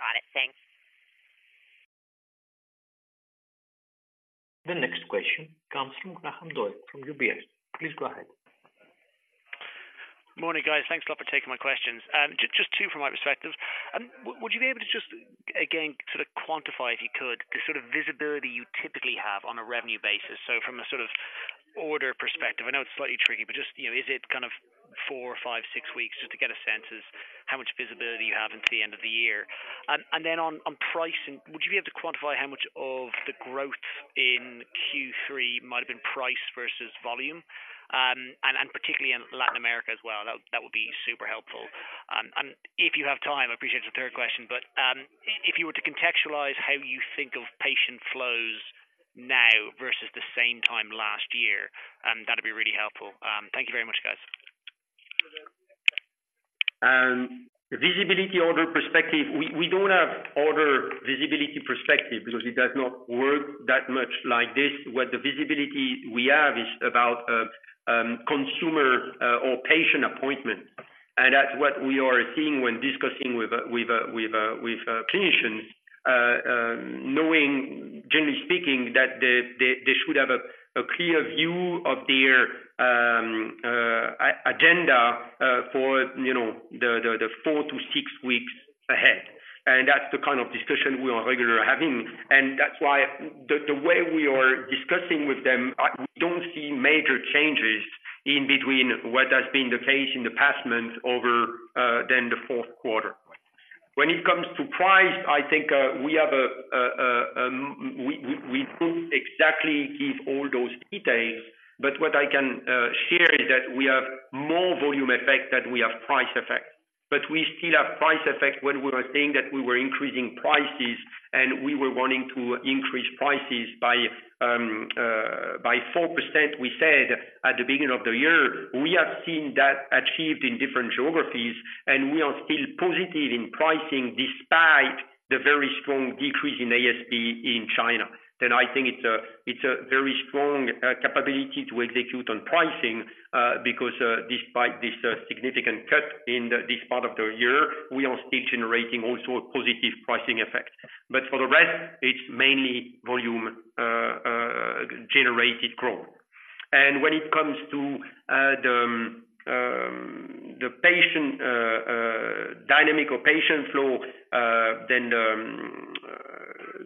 Got it. Thanks. The next question comes from Graham Doyle from UBS. Please go ahead. Morning, guys. Thanks a lot for taking my questions. Just two from my perspective. Would you be able to just again, sort of quantify, if you could, the sort of visibility you typically have on a revenue basis? So from a sort of order perspective, I know it's slightly tricky, but just, you know, is it kind of four or five, six weeks, just to get a sense as how much visibility you have into the end of the year. And then on pricing, would you be able to quantify how much of the growth in Q3 might have been price versus volume? And particularly in Latin America as well, that would be super helpful. If you have time, I appreciate the third question, but if you were to contextualize how you think of patient flows now versus the same time last year, that'd be really helpful. Thank you very much, guys. Visibility order perspective, we don't have order visibility perspective because it does not work that much like this. What the visibility we have is about consumer or patient appointments. And that's what we are seeing when discussing with clinicians, knowing generally speaking, that they should have a clear view of their agenda for, you know, the four to six weeks ahead. And that's the kind of discussion we are regularly having. And that's why the way we are discussing with them, I don't see major changes in between what has been the case in the past months over than the fourth quarter. When it comes to price, I think, we have a, we don't exactly give all those details, but what I can share is that we have more volume effect than we have price effect. But we still have price effect when we are saying that we were increasing prices, and we were wanting to increase prices by, by 4%, we said at the beginning of the year. We have seen that achieved in different geographies, and we are still positive in pricing despite the very strong decrease in ASP in China. Then I think it's a, it's a very strong, capability to execute on pricing, because, despite this, significant cut in this part of the year, we are still generating also a positive pricing effect. But for the rest, it's mainly volume generated growth. And when it comes to the patient dynamic or patient flow, then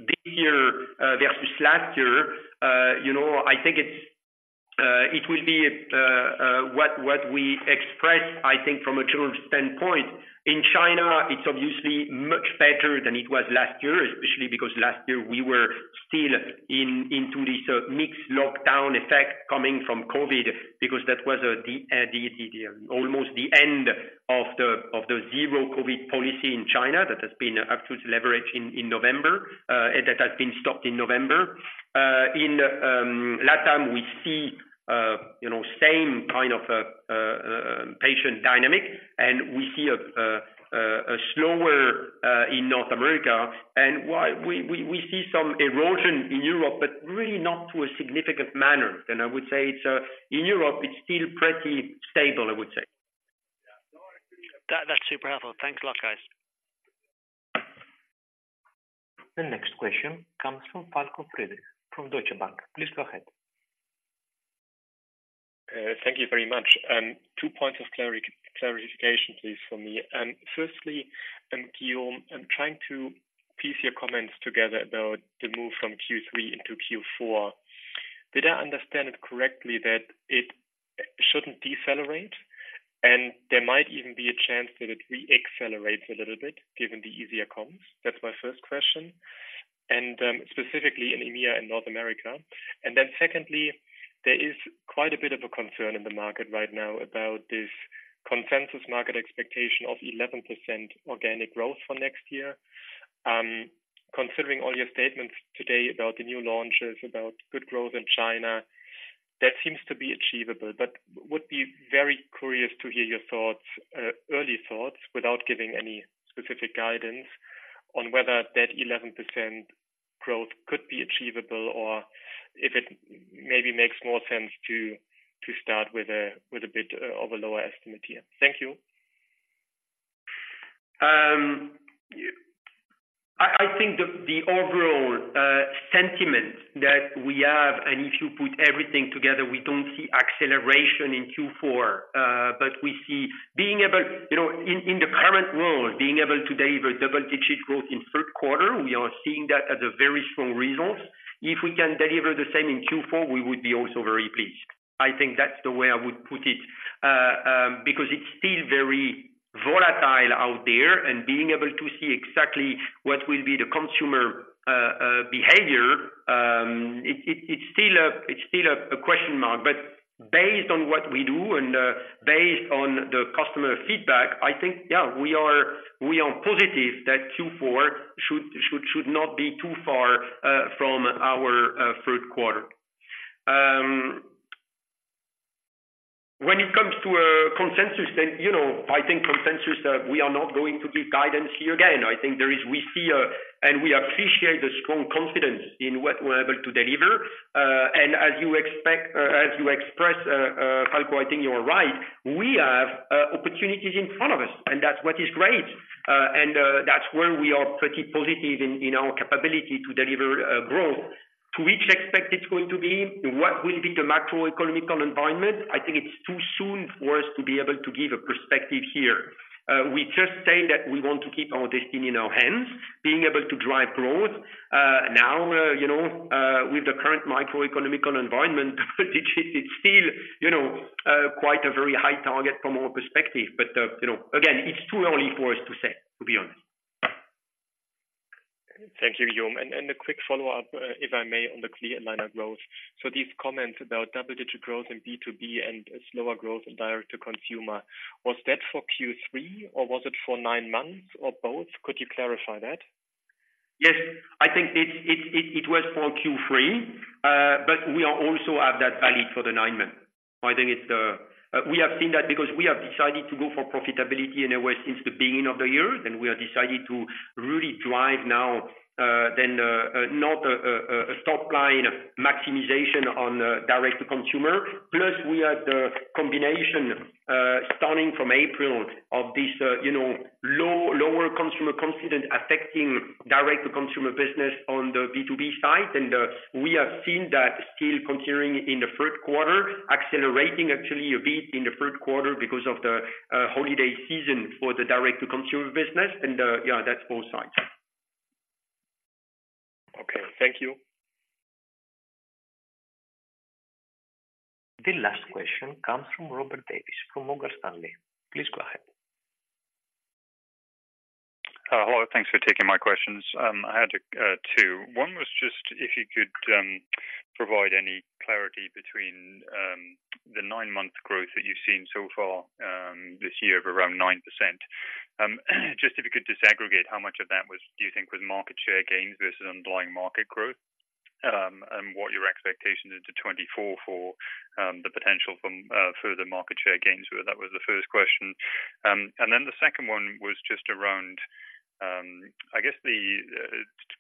this year versus last year, you know, I think it's it will be what we express, I think from a general standpoint. In China, it's obviously much better than it was last year, especially because last year we were still into this mixed lockdown effect coming from COVID, because that was the almost the end of the zero-COVID policy in China. That has been up to leverage in November, and that has been stopped in November. In LATAM, we see, you know, same kind of patient dynamic, and we see a slower. In North America, and while we see some erosion in Europe, but really not to a significant manner. And I would say it's in Europe, it's still pretty stable, I would say. That, that's super helpful. Thanks a lot, guys. The next question comes from Falko Friedrichs from Deutsche Bank. Please go ahead. Thank you very much. Two points of clarification, please, for me. Firstly, Guillaume, I'm trying to piece your comments together about the move from Q3 into Q4. Did I understand it correctly, that it shouldn't decelerate, and there might even be a chance that it re-accelerates a little bit, given the easier comps? That's my first question, and specifically in EMEA and North America. And then secondly, there is quite a bit of a concern in the market right now about this consensus market expectation of 11% organic growth for next year. Considering all your statements today about the new launches, about good growth in China, that seems to be achievable, but would be very curious to hear your thoughts, early thoughts, without giving any specific guidance, on whether that 11% growth could be achievable, or if it maybe makes more sense to start with a bit of a lower estimate here. Thank you. I think the overall sentiment that we have, and if you put everything together, we don't see acceleration in Q4. But we see being able—you know, in the current world, being able to deliver double digit growth in third quarter, we are seeing that as a very strong result. If we can deliver the same in Q4, we would be also very pleased. I think that's the way I would put it. Because it's still very volatile out there, and being able to see exactly what will be the consumer behavior, it's still a question mark. But based on what we do and based on the customer feedback, I think, yeah, we are positive that Q4 should not be too far from our third quarter. When it comes to consensus, then, you know, I think consensus, we are not going to give guidance here again. I think there is—we see, and we appreciate the strong confidence in what we're able to deliver. And as you expect, as you express, Falko, I think you are right, we have opportunities in front of us, and that's what is great. And that's where we are pretty positive in our capability to deliver growth. To which extent it's going to be, what will be the macroeconomic environment? I think it's too soon for us to be able to give a perspective here. We just say that we want to keep our destiny in our hands, being able to drive growth. Now, you know, with the current macroeconomic environment, it's still, you know, quite a very high target from our perspective. But, you know, again, it's too early for us to say, to be honest. Thank you, Guillaume. And a quick follow-up, if I may, on the clear aligner growth. So these comments about double-digit growth in B2B and a slower growth in direct-to-consumer, was that for Q3, or was it for nine months, or both? Could you clarify that? Yes. I think it was for Q3, but we are also have that value for the nine months. I think it's we have seen that because we have decided to go for profitability in a way, since the beginning of the year, then we have decided to really drive now, then not a top line maximization on direct-to-consumer. Plus, we had the combination starting from April of this you know, lower consumer confidence affecting direct-to-consumer business on the B2B side. And we have seen that still continuing in the third quarter, accelerating actually a bit in the third quarter because of the holiday season for the direct-to-consumer business. And yeah, that's both sides. Okay, thank you. The last question comes from Robert Davies from Morgan Stanley. Please go ahead. Hello. Thanks for taking my questions. I had two. One was just if you could provide any clarity between the nine-month growth that you've seen so far this year of around 9%. Just if you could disaggregate, how much of that was, do you think was market share gains versus underlying market growth? And what your expectations into 2024 for the potential from further market share gains were. That was the first question. And then the second one was just around, I guess a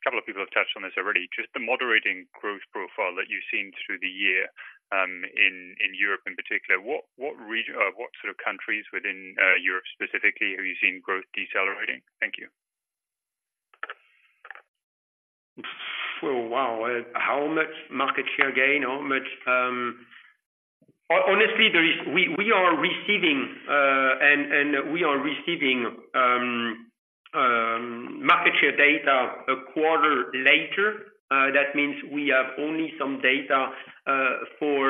couple of people have touched on this already, just the moderating growth profile that you've seen through the year in Europe in particular. What sort of countries within Europe specifically have you seen growth decelerating? Thank you. Oh, wow! How much market share gain? How much... Honestly, there is, we are receiving, and we are receiving, market share data a quarter later. That means we have only some data for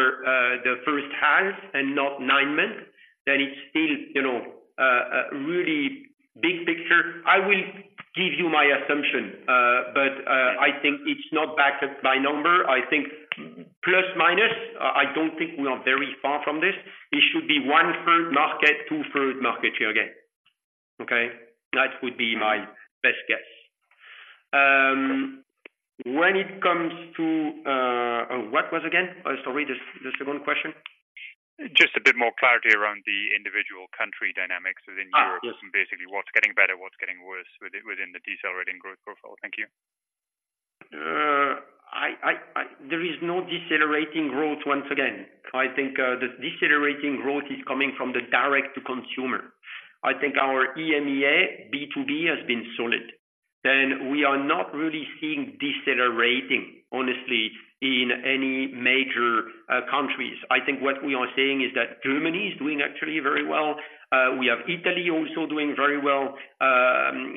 the first half and not nine months. Then it's still, you know, a really big picture. I will give you my assumption, but I think it's not backed up by number. I think plus, minus, I don't think we are very far from this. It should be one third market, two third market share gain. Okay? That would be my best guess. When it comes to... Oh, what was again? Sorry, the second question. Just a bit more clarity around the individual country dynamics within Europe. Ah, yes. Basically, what's getting better, what's getting worse, within the decelerating growth profile. Thank you. There is no decelerating growth, once again. I think, the decelerating growth is coming from the direct-to-consumer. I think our EMEA B2B has been solid, and we are not really seeing decelerating honestly, in any major, countries. I think what we are saying is that Germany is doing actually very well. We have Italy also doing very well.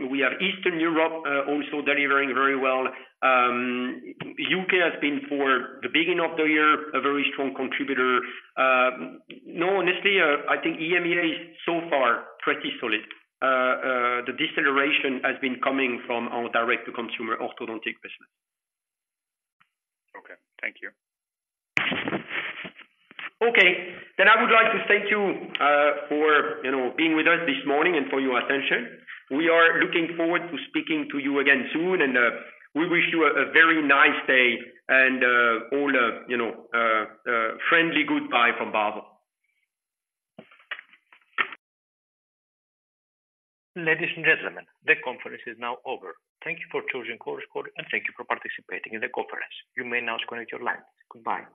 We have Eastern Europe, also delivering very well. U.K. has been for the beginning of the year, a very strong contributor. No, honestly, I think EMEA is so far pretty solid. The deceleration has been coming from our direct-to-consumer orthodontic business. Okay, thank you. Okay. Then I would like to thank you for, you know, being with us this morning and for your attention. We are looking forward to speaking to you again soon, and we wish you a very nice day and all you know a friendly goodbye from Basel. Ladies and gentlemen, the conference is now over. Thank you for choosing Chorus Call, and thank you for participating in the conference. You may now disconnect your lines. Goodbye.